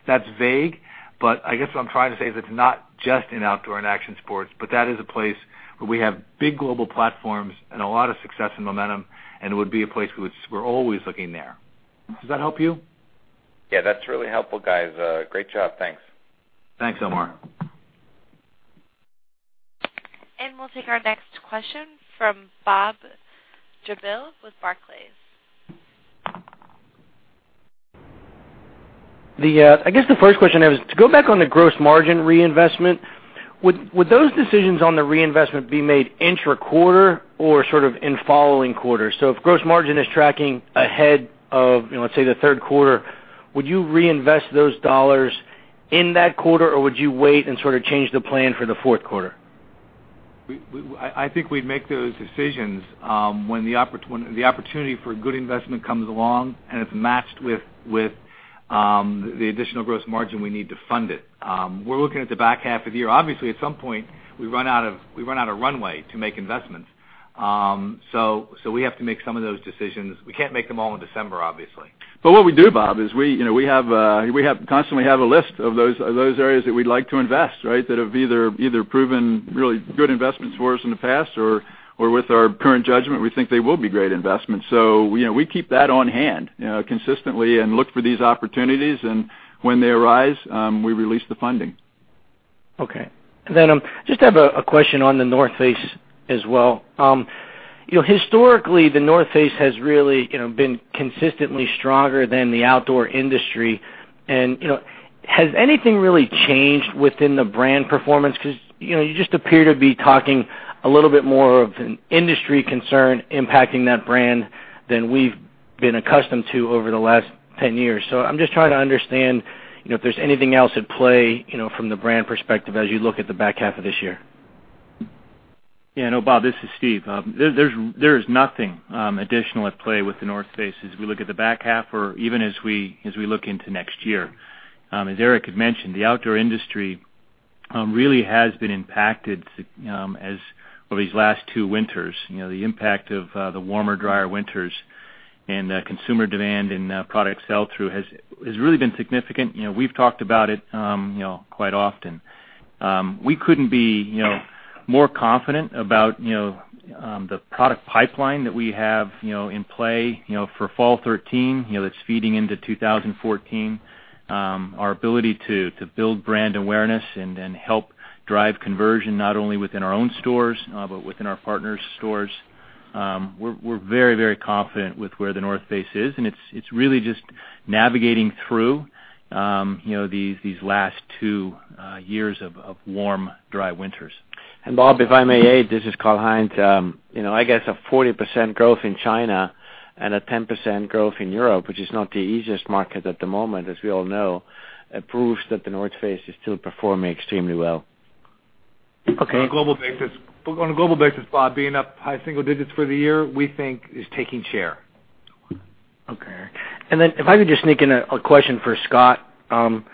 that's vague, but I guess what I'm trying to say is it's not just in Outdoor & Action Sports, but that is a place where we have big global platforms and a lot of success and momentum, and it would be a place we're always looking there. Does that help you? Yeah, that's really helpful, guys. Great job. Thanks. Thanks, Omar. We'll take our next question from Bob Drbul with Barclays. I guess the first question I have is to go back on the gross margin reinvestment. Would those decisions on the reinvestment be made intra-quarter or sort of in following quarters? If gross margin is tracking ahead of, let's say, the third quarter, would you reinvest those dollars in that quarter, or would you wait and sort of change the plan for the fourth quarter? I think we'd make those decisions when the opportunity for a good investment comes along and it's matched with the additional gross margin we need to fund it. We're looking at the back half of the year. Obviously, at some point, we run out of runway to make investments. We have to make some of those decisions. We can't make them all in December, obviously. What we do, Bob, is we constantly have a list of those areas that we'd like to invest, right? That have either proven really good investments for us in the past or with our current judgment, we think they will be great investments. We keep that on hand consistently and look for these opportunities, and when they arise, we release the funding. Okay. Just have a question on The North Face as well. Historically, The North Face has really been consistently stronger than the outdoor industry. Has anything really changed within the brand performance? Because you just appear to be talking a little bit more of an industry concern impacting that brand than we've been accustomed to over the last 10 years. I'm just trying to understand if there's anything else at play from the brand perspective as you look at the back half of this year. Yeah, no, Bob, this is Steve. There is nothing additional at play with The North Face as we look at the back half or even as we look into next year. As Eric had mentioned, the outdoor industry really has been impacted over these last two winters. The impact of the warmer, drier winters and consumer demand and product sell-through has really been significant. We've talked about it quite often. We couldn't be more confident about the product pipeline that we have in play for fall 2013 that's feeding into 2014. Our ability to build brand awareness and help drive conversion, not only within our own stores but within our partners' stores. We're very confident with where The North Face is, and it's really just navigating through these last two years of warm, dry winters. Bob, if I may add, this is Karl-Heinz. I guess a 40% growth in China and a 10% growth in Europe, which is not the easiest market at the moment, as we all know, proves that The North Face is still performing extremely well. Okay On a global basis, Bob, being up high single digits for the year, we think is taking share. Okay. If I could just sneak in a question for Scott. In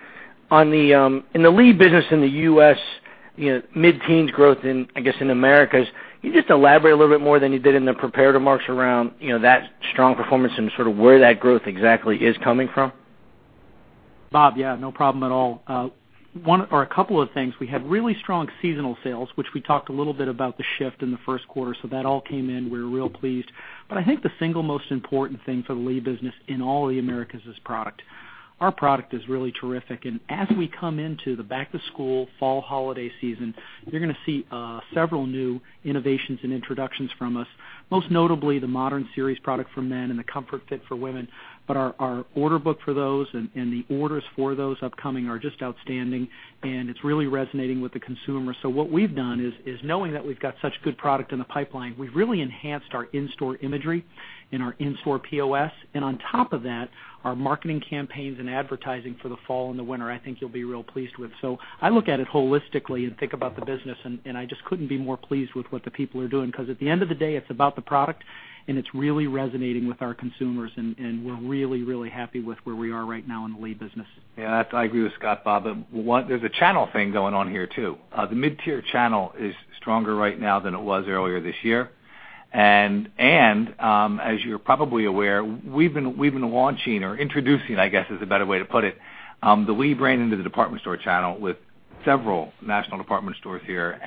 the Lee business in the U.S., mid-teens growth, I guess, in Americas. Can you just elaborate a little bit more than you did in the prepared remarks around that strong performance and sort of where that growth exactly is coming from? Bob, yeah, no problem at all. One or a couple of things. We had really strong seasonal sales, which we talked a little bit about the shift in the first quarter. That all came in. We were real pleased. I think the single most important thing for the Lee business in all of the Americas is product. Our product is really terrific. As we come into the back to school, fall holiday season, you're going to see several new innovations and introductions from us, most notably the Modern Series product for men and the Comfort Fit for women. Our order book for those and the orders for those upcoming are just outstanding, and it's really resonating with the consumer. What we've done is knowing that we've got such good product in the pipeline, we've really enhanced our in-store imagery and our in-store POS. On top of that, our marketing campaigns and advertising for the fall and the winter, I think you'll be real pleased with. I look at it holistically and think about the business, and I just couldn't be more pleased with what the people are doing because at the end of the day, it's about the product and it's really resonating with our consumers, and we're really, really happy with where we are right now in the Lee business. Yeah, I agree with Scott, Bob. There's a channel thing going on here, too. The mid-tier channel is stronger right now than it was earlier this year. As you're probably aware, we've been launching or introducing, I guess is a better way to put it, the Lee brand into the department store channel with several national department stores here.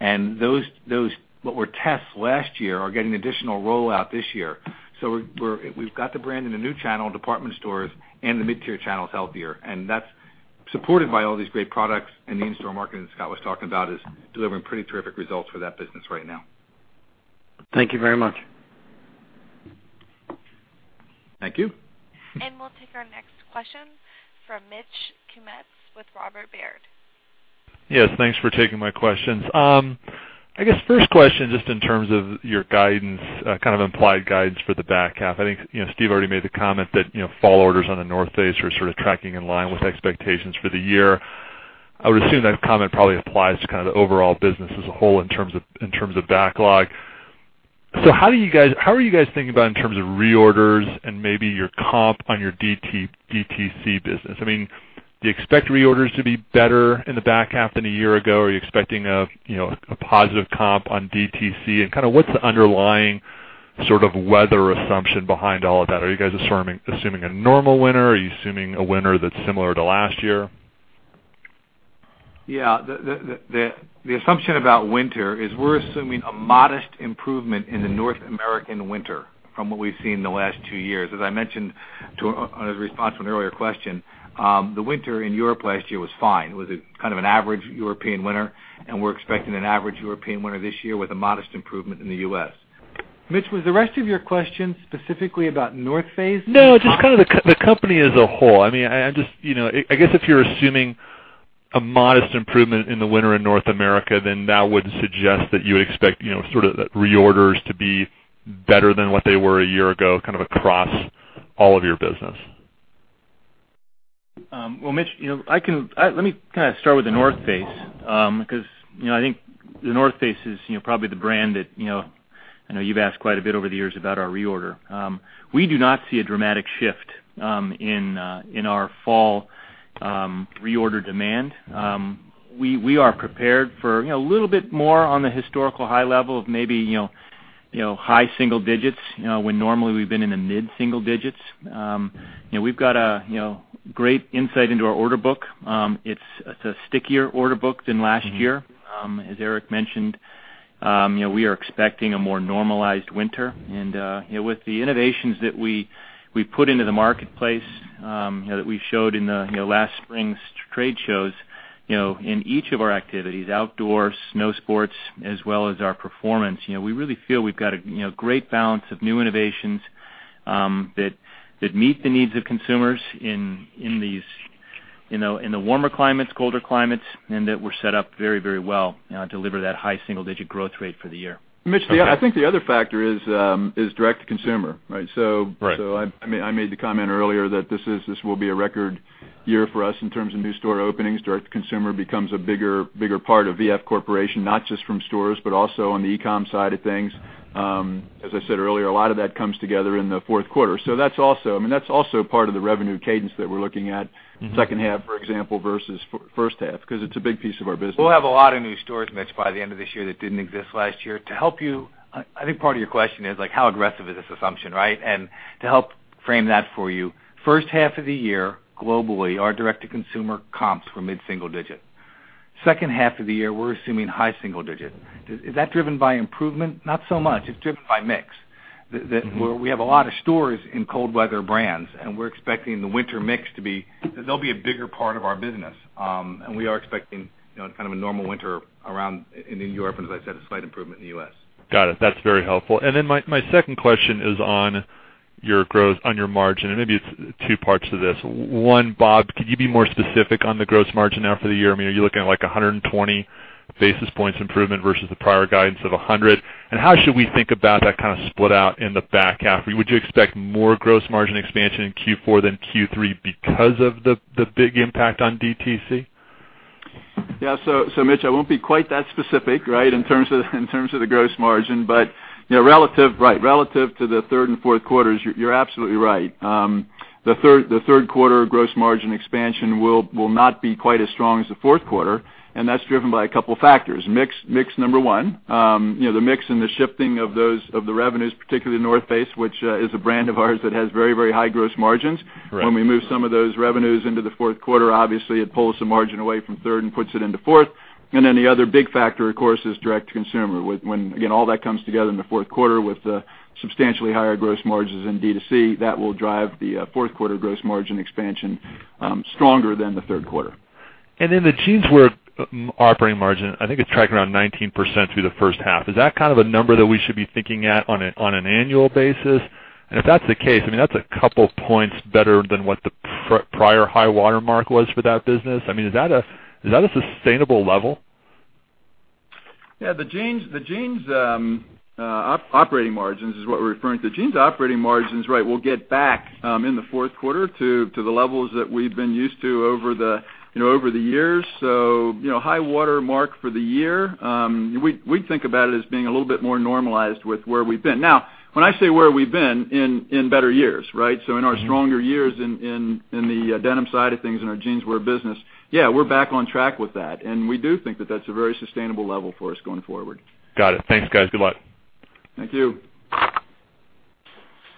Those what were tests last year are getting additional rollout this year. We've got the brand in a new channel, department stores, and the mid-tier channel's healthier. That's supported by all these great products and the in-store marketing that Scott was talking about is delivering pretty terrific results for that business right now. Thank you very much. Thank you. We'll take our next question from Mitch Kummetz with Robert Baird. Yes, thanks for taking my questions. I guess first question, just in terms of your guidance, implied guidance for the back half. I think Steve already made the comment that fall orders on The North Face are sort of tracking in line with expectations for the year. I would assume that comment probably applies to kind of the overall business as a whole in terms of backlog. How are you guys thinking about in terms of reorders and maybe your comp on your DTC business? I mean, do you expect reorders to be better in the back half than a year ago? Are you expecting a positive comp on DTC? What's the underlying sort of weather assumption behind all of that? Are you guys assuming a normal winter? Are you assuming a winter that's similar to last year? Yeah. The assumption about winter is we're assuming a modest improvement in the North American winter from what we've seen in the last two years. As I mentioned on a response to an earlier question, the winter in Europe last year was fine. It was kind of an average European winter, we're expecting an average European winter this year with a modest improvement in the U.S. Mitch, was the rest of your question specifically about North Face? No, just kind of the company as a whole. I guess if you're assuming a modest improvement in the winter in North America, that would suggest that you expect sort of reorders to be better than what they were a year ago, kind of across all of your business. Well, Mitch, let me kind of start with The North Face because I think The North Face is probably the brand that I know you've asked quite a bit over the years about our reorder. We do not see a dramatic shift in our fall reorder demand. We are prepared for a little bit more on the historical high level of maybe high single digits, when normally we've been in the mid-single digits. We've got a great insight into our order book. It's a stickier order book than last year. As Eric mentioned, we are expecting a more normalized winter. With the innovations that we put into the marketplace that we showed in the last spring's trade shows, in each of our activities, outdoor, snow sports, as well as our performance, we really feel we've got a great balance of new innovations that meet the needs of consumers in the warmer climates, colder climates, and that we're set up very, very well to deliver that high single-digit growth rate for the year. Mitch, I think the other factor is direct to consumer, right? Right. I made the comment earlier that this will be a record year for us in terms of new store openings. Direct to consumer becomes a bigger part of VF Corporation, not just from stores, but also on the e-com side of things. As I said earlier, a lot of that comes together in the fourth quarter. That's also part of the revenue cadence that we're looking at second half, for example, versus first half because it's a big piece of our business. We'll have a lot of new stores, Mitch, by the end of this year that didn't exist last year. I think part of your question is like how aggressive is this assumption, right? To help frame that for you, first half of the year, globally, our direct-to-consumer comps were mid-single digit. Second half of the year, we're assuming high single digit. Is that driven by improvement? Not so much. It's driven by mix. We have a lot of stores in cold weather brands, and we're expecting the winter mix to be a bigger part of our business. We are expecting kind of a normal winter around in Europe, and as I said, a slight improvement in the U.S. Got it. That's very helpful. My second question is on your margin, and maybe it's two parts to this. One, Bob, could you be more specific on the gross margin now for the year? I mean, are you looking at like 120 basis points improvement versus the prior guidance of 100? How should we think about that kind of split out in the back half? Would you expect more gross margin expansion in Q4 than Q3 because of the big impact on DTC? Mitch, I won't be quite that specific in terms of the gross margin. Relative to the third and fourth quarters, you're absolutely right. The third quarter gross margin expansion will not be quite as strong as the fourth quarter, and that's driven by a couple of factors. Mix, number one. The mix and the shifting of the revenues, particularly The North Face, which is a brand of ours that has very high gross margins. Right. When we move some of those revenues into the fourth quarter, obviously it pulls the margin away from third and puts it into fourth. The other big factor, of course, is direct to consumer. When, again, all that comes together in the fourth quarter with the substantially higher gross margins in D2C, that will drive the fourth quarter gross margin expansion stronger than the third quarter. The jeans wear operating margin, I think it's tracking around 19% through the first half. Is that kind of a number that we should be thinking at on an annual basis? If that's the case, that's a couple points better than what the prior high water mark was for that business. Is that a sustainable level? Yeah. The jeans operating margins is what we're referring to. Jeans operating margins will get back in the fourth quarter to the levels that we've been used to over the years. High water mark for the year. We think about it as being a little bit more normalized with where we've been. Now, when I say where we've been, in better years. In our stronger years in the denim side of things, in our jeans wear business, yeah, we're back on track with that, and we do think that that's a very sustainable level for us going forward. Got it. Thanks, guys. Good luck. Thank you.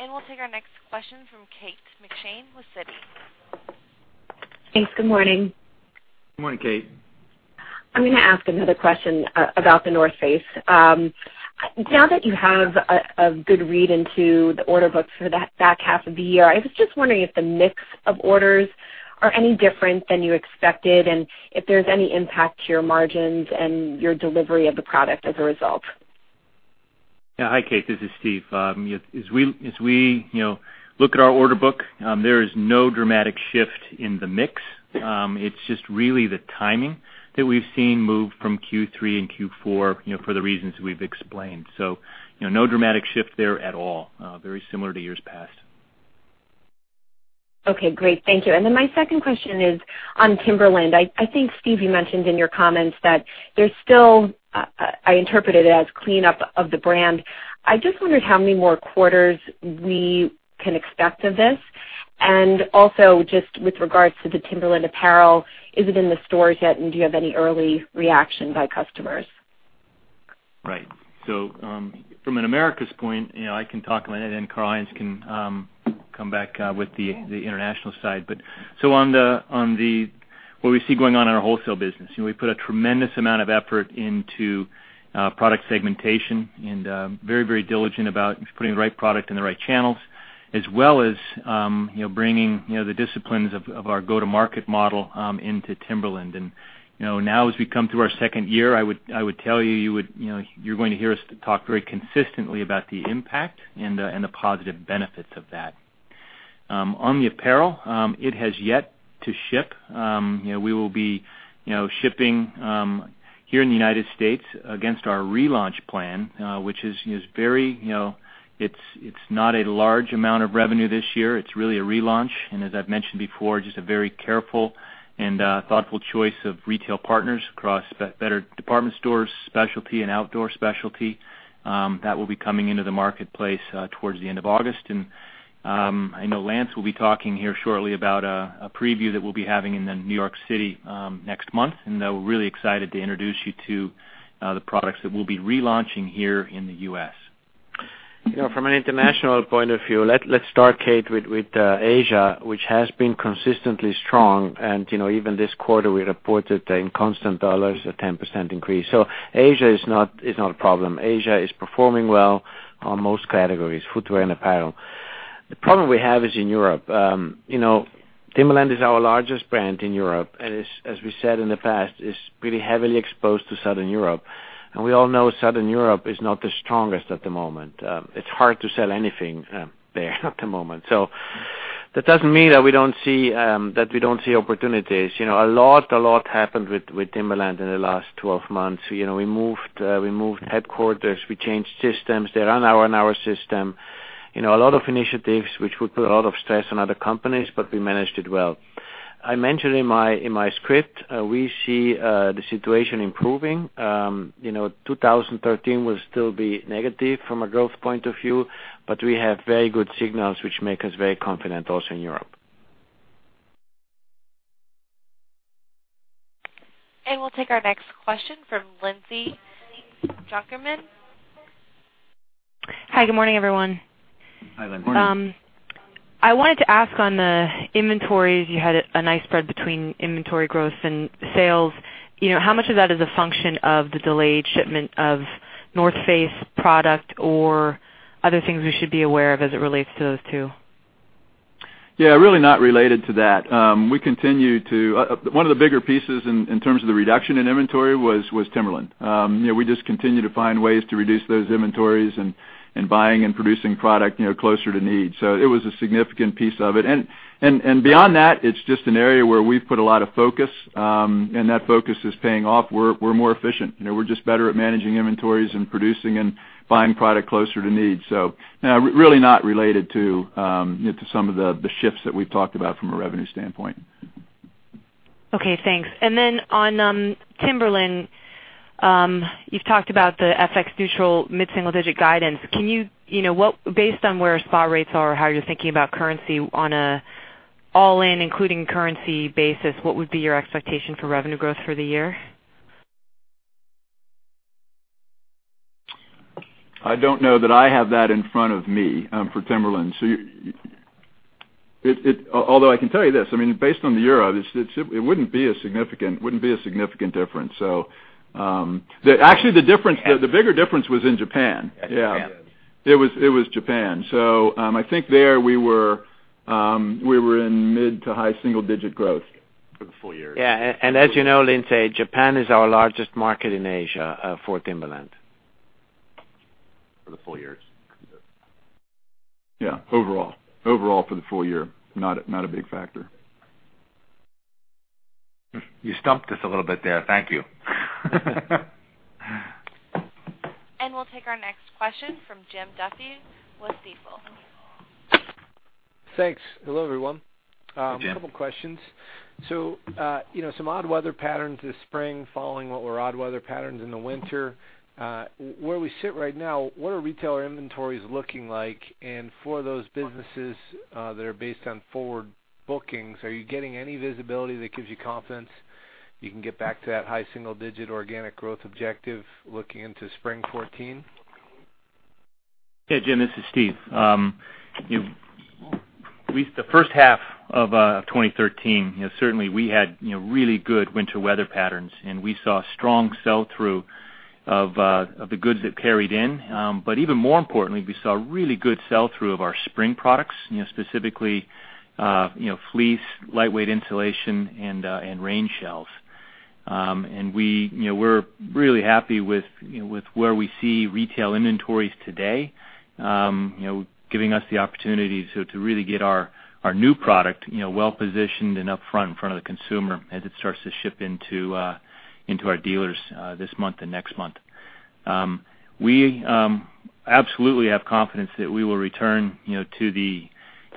We'll take our next question from Kate McShane with Citi. Thanks. Good morning. Good morning, Kate. I'm going to ask another question about The North Face. Now that you have a good read into the order books for the back half of the year, I was just wondering if the mix of orders are any different than you expected, and if there's any impact to your margins and your delivery of the product as a result. Hi, Kate, this is Steve. As we look at our order book, there is no dramatic shift in the mix. It is just really the timing that we have seen move from Q3 and Q4 for the reasons we have explained. No dramatic shift there at all. Very similar to years past. Okay, great. Thank you. My second question is on Timberland. I think, Steve, you mentioned in your comments that there is still, I interpret it as cleanup of the brand. I just wondered how many more quarters we can expect of this. Just with regards to the Timberland apparel, is it in the stores yet, and do you have any early reaction by customers? Right. From an Americas point, I can talk about it and then Karl-Heinz can come back with the international side. What we see going on in our wholesale business, we put a tremendous amount of effort into product segmentation and very diligent about putting the right product in the right channels, as well as bringing the disciplines of our go-to-market model into Timberland. Now as we come to our second year, I would tell you are going to hear us talk very consistently about the impact and the positive benefits of that. On the apparel, it has yet to ship. We will be shipping here in the U.S. against our relaunch plan, which it is not a large amount of revenue this year. It is really a relaunch, as I have mentioned before, just a very careful and thoughtful choice of retail partners across better department stores, specialty and outdoor specialty. That will be coming into the marketplace towards the end of August. I know Lance will be talking here shortly about a preview that we will be having in New York City next month, and we are really excited to introduce you to the products that we will be relaunching here in the U.S. From an international point of view, let's start, Kate, with Asia, which has been consistently strong. Even this quarter, we reported in constant dollars a 10% increase. Asia is not a problem. Asia is performing well on most categories, footwear and apparel. The problem we have is in Europe. Timberland is our largest brand in Europe, and as we said in the past, is pretty heavily exposed to Southern Europe. We all know Southern Europe is not the strongest at the moment. It's hard to sell anything there at the moment. That doesn't mean that we don't see opportunities. A lot happened with Timberland in the last 12 months. We moved headquarters. We changed systems. They're on our system. A lot of initiatives which would put a lot of stress on other companies, but we managed it well. I mentioned in my script, we see the situation improving. 2013 will still be negative from a growth point of view, but we have very good signals which make us very confident also in Europe. We'll take our next question from Lindsay Drucker Mann. Hi, good morning, everyone. Hi, Lindsay. Good morning. I wanted to ask on the inventories. You had a nice spread between inventory growth and sales. How much of that is a function of the delayed shipment of The North Face product or other things we should be aware of as it relates to those two? Yeah, really not related to that. One of the bigger pieces in terms of the reduction in inventory was Timberland. We just continue to find ways to reduce those inventories and buying and producing product closer to need. It was a significant piece of it. Beyond that, it's just an area where we've put a lot of focus, and that focus is paying off. We're more efficient. We're just better at managing inventories and producing and buying product closer to need. Really not related to some of the shifts that we've talked about from a revenue standpoint. Okay, thanks. On Timberland, you've talked about the FX neutral mid-single-digit guidance. Based on where spot rates are or how you're thinking about currency on an all-in including currency basis, what would be your expectation for revenue growth for the year? I don't know that I have that in front of me for Timberland. I can tell you this. Based on the Euro, it wouldn't be a significant difference. Actually, the bigger difference was in Japan. Yeah. It was Japan. I think there we were in mid to high single digit growth. For the full year. Yeah. As you know, Lindsay, Japan is our largest market in Asia for Timberland. For the full year. Yeah. Overall for the full year, not a big factor. You stumped us a little bit there. Thank you. We'll take our next question from Jim Duffy with Stifel. Thanks. Hello, everyone. Jim. A couple questions. Some odd weather patterns this spring following what were odd weather patterns in the winter. Where we sit right now, what are retailer inventories looking like? For those businesses that are based on forward bookings, are you getting any visibility that gives you confidence you can get back to that high single-digit organic growth objective looking into spring 2014? Hey, Jim, this is Steve. The first half of 2013, certainly we had really good winter weather patterns, and we saw strong sell-through of the goods that carried in. Even more importantly, we saw really good sell-through of our spring products, specifically fleece, lightweight insulation, and rain shells. We're really happy with where we see retail inventories today, giving us the opportunity to really get our new product well-positioned and up front, in front of the consumer as it starts to ship into our dealers this month and next month. We absolutely have confidence that we will return to the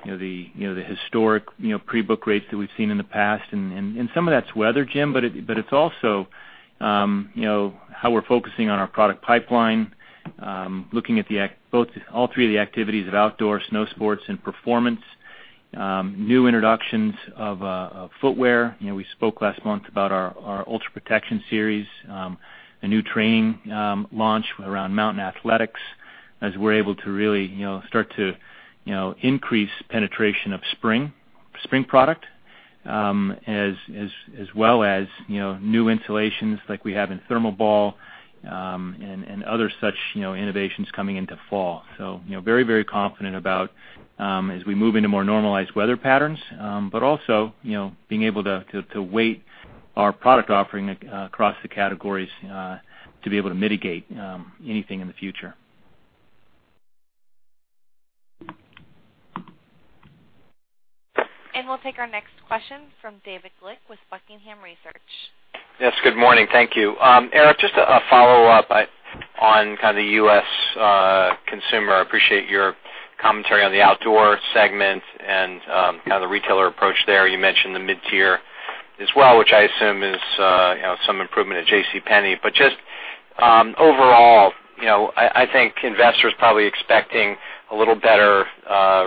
historic pre-book rates that we've seen in the past. Some of that's weather, Jim, but it's also how we're focusing on our product pipeline, looking at all three of the activities of outdoor, snow sports, and performance. New introductions of footwear. We spoke last month about our Ultra Protection series, a new training launch around Mountain Athletics, as we're able to really start to increase penetration of spring product, as well as new insulations like we have in ThermoBall, and other such innovations coming into fall. Very confident about as we move into more normalized weather patterns. Also, being able to weight our product offering across the categories to be able to mitigate anything in the future. We'll take our next question from David Glick with Buckingham Research. Yes, good morning. Thank you. Eric, just a follow-up on kind of the U.S. consumer. I appreciate your commentary on the outdoor segment and kind of the retailer approach there. You mentioned the mid-tier as well, which I assume is some improvement at JCPenney. Just overall, I think investors probably expecting a little better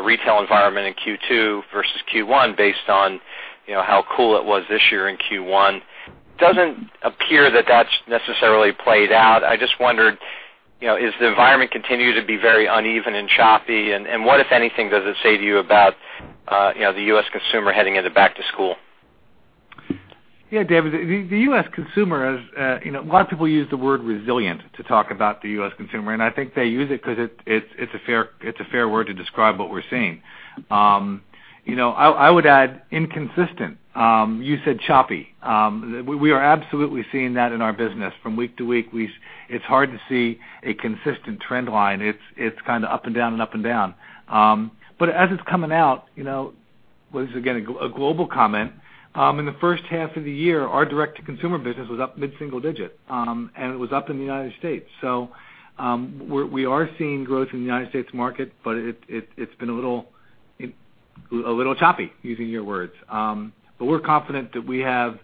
retail environment in Q2 versus Q1 based on how cool it was this year in Q1. Doesn't appear that that's necessarily played out. I just wondered, is the environment continue to be very uneven and choppy? What, if anything, does it say to you about the U.S. consumer heading into back to school? David, the U.S. consumer, a lot of people use the word resilient to talk about the U.S. consumer, and I think they use it because it's a fair word to describe what we're seeing. I would add inconsistent. You said choppy. We are absolutely seeing that in our business from week to week. It's hard to see a consistent trend line. It's kind of up and down and up and down. As it's coming out, this is, again, a global comment. In the first half of the year, our direct-to-consumer business was up mid-single digit, and it was up in the United States. We are seeing growth in the United States market, but it's been a little choppy, using your words. We're confident that we have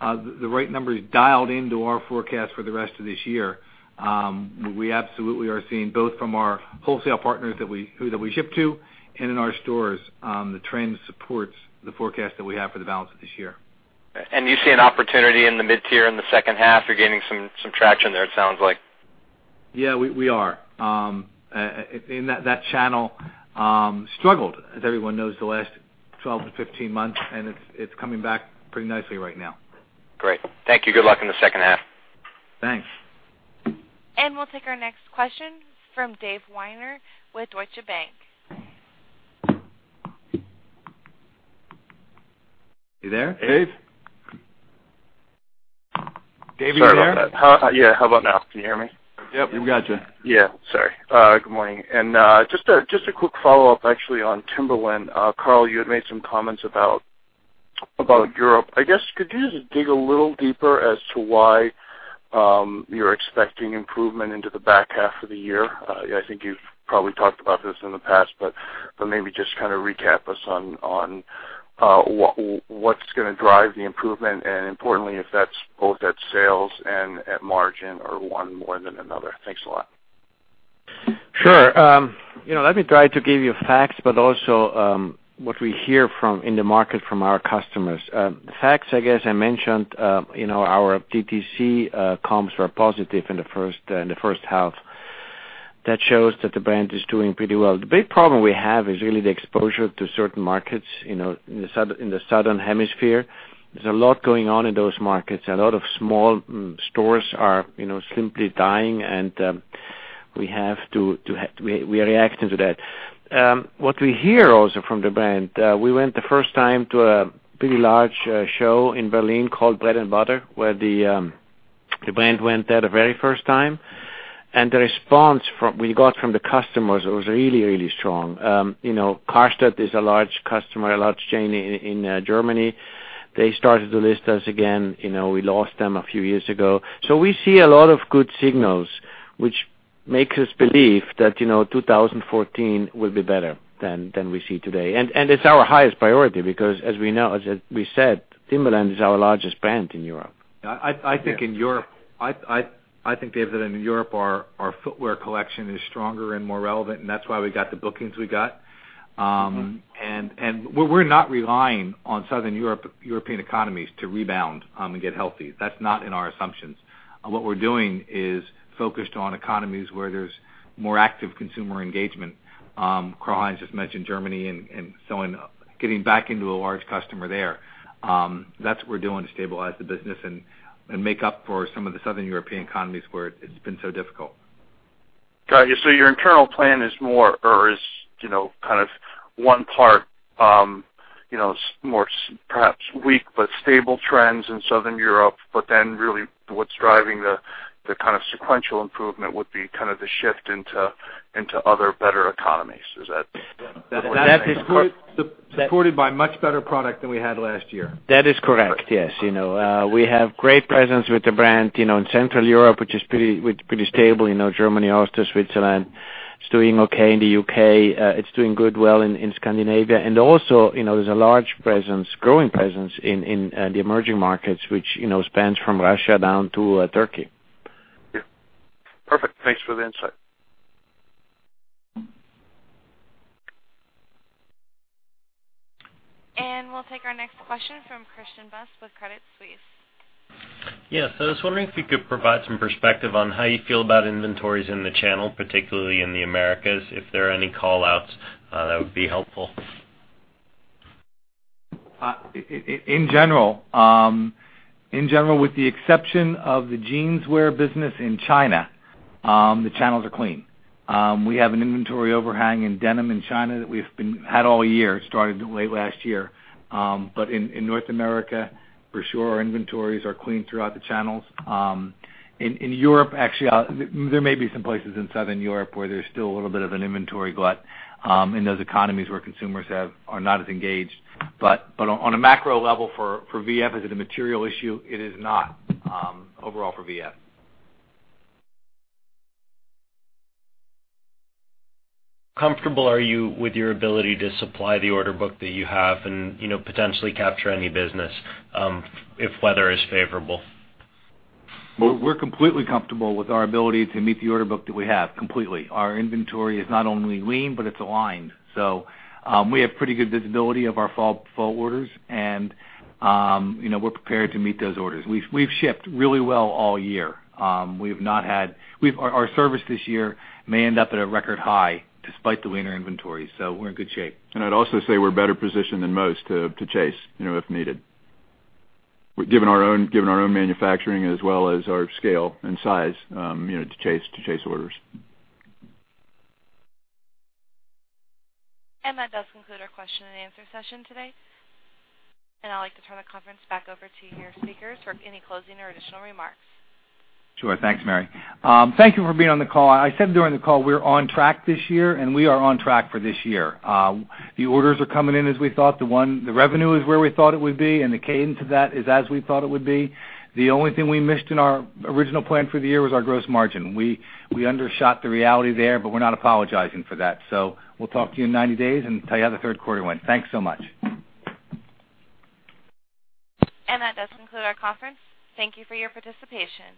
the right numbers dialed into our forecast for the rest of this year. We absolutely are seeing both from our wholesale partners that we ship to and in our stores, the trend supports the forecast that we have for the balance of this year. You see an opportunity in the mid-tier in the second half. You're gaining some traction there, it sounds like. Yeah, we are. That channel struggled, as everyone knows, the last 12 to 15 months, and it's coming back pretty nicely right now. Great. Thank you. Good luck in the second half. Thanks. We'll take our next question from Dave Weiner with Deutsche Bank. You there? Dave? Dave, are you there? Sorry about that. Yeah, how about now? Can you hear me? Yep, we've got you. Yeah. Sorry. Good morning. Just a quick follow-up actually on Timberland. Karl, you had made some comments about Europe. I guess, could you just dig a little deeper as to why You're expecting improvement into the back half of the year. I think you've probably talked about this in the past, but maybe just recap us on what's going to drive the improvement, and importantly, if that's both at sales and at margin, or one more than another. Thanks a lot. Sure. Let me try to give you facts, also what we hear in the market from our customers. The facts, I guess I mentioned, our DTC comps were positive in the first half. That shows that the brand is doing pretty well. The big problem we have is really the exposure to certain markets in Southern Europe. There's a lot going on in those markets. A lot of small stores are simply dying, and we are reacting to that. What we hear also from the brand, we went the first time to a pretty large show in Berlin called Bread & Butter, where the brand went there the very first time. The response we got from the customers was really, really strong. Karstadt is a large customer, a large chain in Germany. They started to list us again. We lost them a few years ago. We see a lot of good signals, which makes us believe that 2014 will be better than we see today. It's our highest priority because as we said, Timberland is our largest brand in Europe. I think, David, that in Europe our footwear collection is stronger and more relevant, and that's why we got the bookings we got. We're not relying on Southern European economies to rebound and get healthy. That's not in our assumptions. What we're doing is focused on economies where there's more active consumer engagement. Karl-Heinz just mentioned Germany and getting back into a large customer there. That's what we're doing to stabilize the business and make up for some of the Southern European economies where it's been so difficult. Got you. Your internal plan is more, or is one part more perhaps weak but stable trends in Southern Europe, but then really what's driving the sequential improvement would be the shift into other better economies. Is that? Supported by much better product than we had last year. That is correct. Yes. We have great presence with the brand in Central Europe, which is pretty stable, Germany, Austria, Switzerland. It's doing okay in the U.K. It's doing good, well in Scandinavia. Also, there's a large presence, growing presence in the emerging markets, which spans from Russia down to Turkey. Yeah. Perfect. Thanks for the insight. We'll take our next question from Christian Buss with Credit Suisse. Yes, I was wondering if you could provide some perspective on how you feel about inventories in the channel, particularly in the Americas. If there are any call-outs, that would be helpful. In general, with the exception of the jeanswear business in China, the channels are clean. We have an inventory overhang in denim in China that we've had all year. It started late last year. In North America, for sure, our inventories are clean throughout the channels. In Europe, actually, there may be some places in Southern Europe where there's still a little bit of an inventory glut in those economies where consumers are not as engaged. On a macro level for VF, as a material issue, it is not overall for VF. How comfortable are you with your ability to supply the order book that you have and potentially capture any business if weather is favorable? We're completely comfortable with our ability to meet the order book that we have. Completely. Our inventory is not only lean, but it's aligned. We have pretty good visibility of our fall orders, and we're prepared to meet those orders. We've shipped really well all year. Our service this year may end up at a record high despite the leaner inventory, so we're in good shape. I'd also say we're better positioned than most to chase, if needed. Given our own manufacturing as well as our scale and size to chase orders. That does conclude our question and answer session today. I'd like to turn the conference back over to your speakers for any closing or additional remarks. Sure. Thanks, Mary. Thank you for being on the call. I said during the call we're on track this year, and we are on track for this year. The orders are coming in as we thought. The revenue is where we thought it would be, and the cadence of that is as we thought it would be. The only thing we missed in our original plan for the year was our gross margin. We undershot the reality there, we're not apologizing for that. We'll talk to you in 90 days and tell you how the third quarter went. Thanks so much. That does conclude our conference. Thank you for your participation.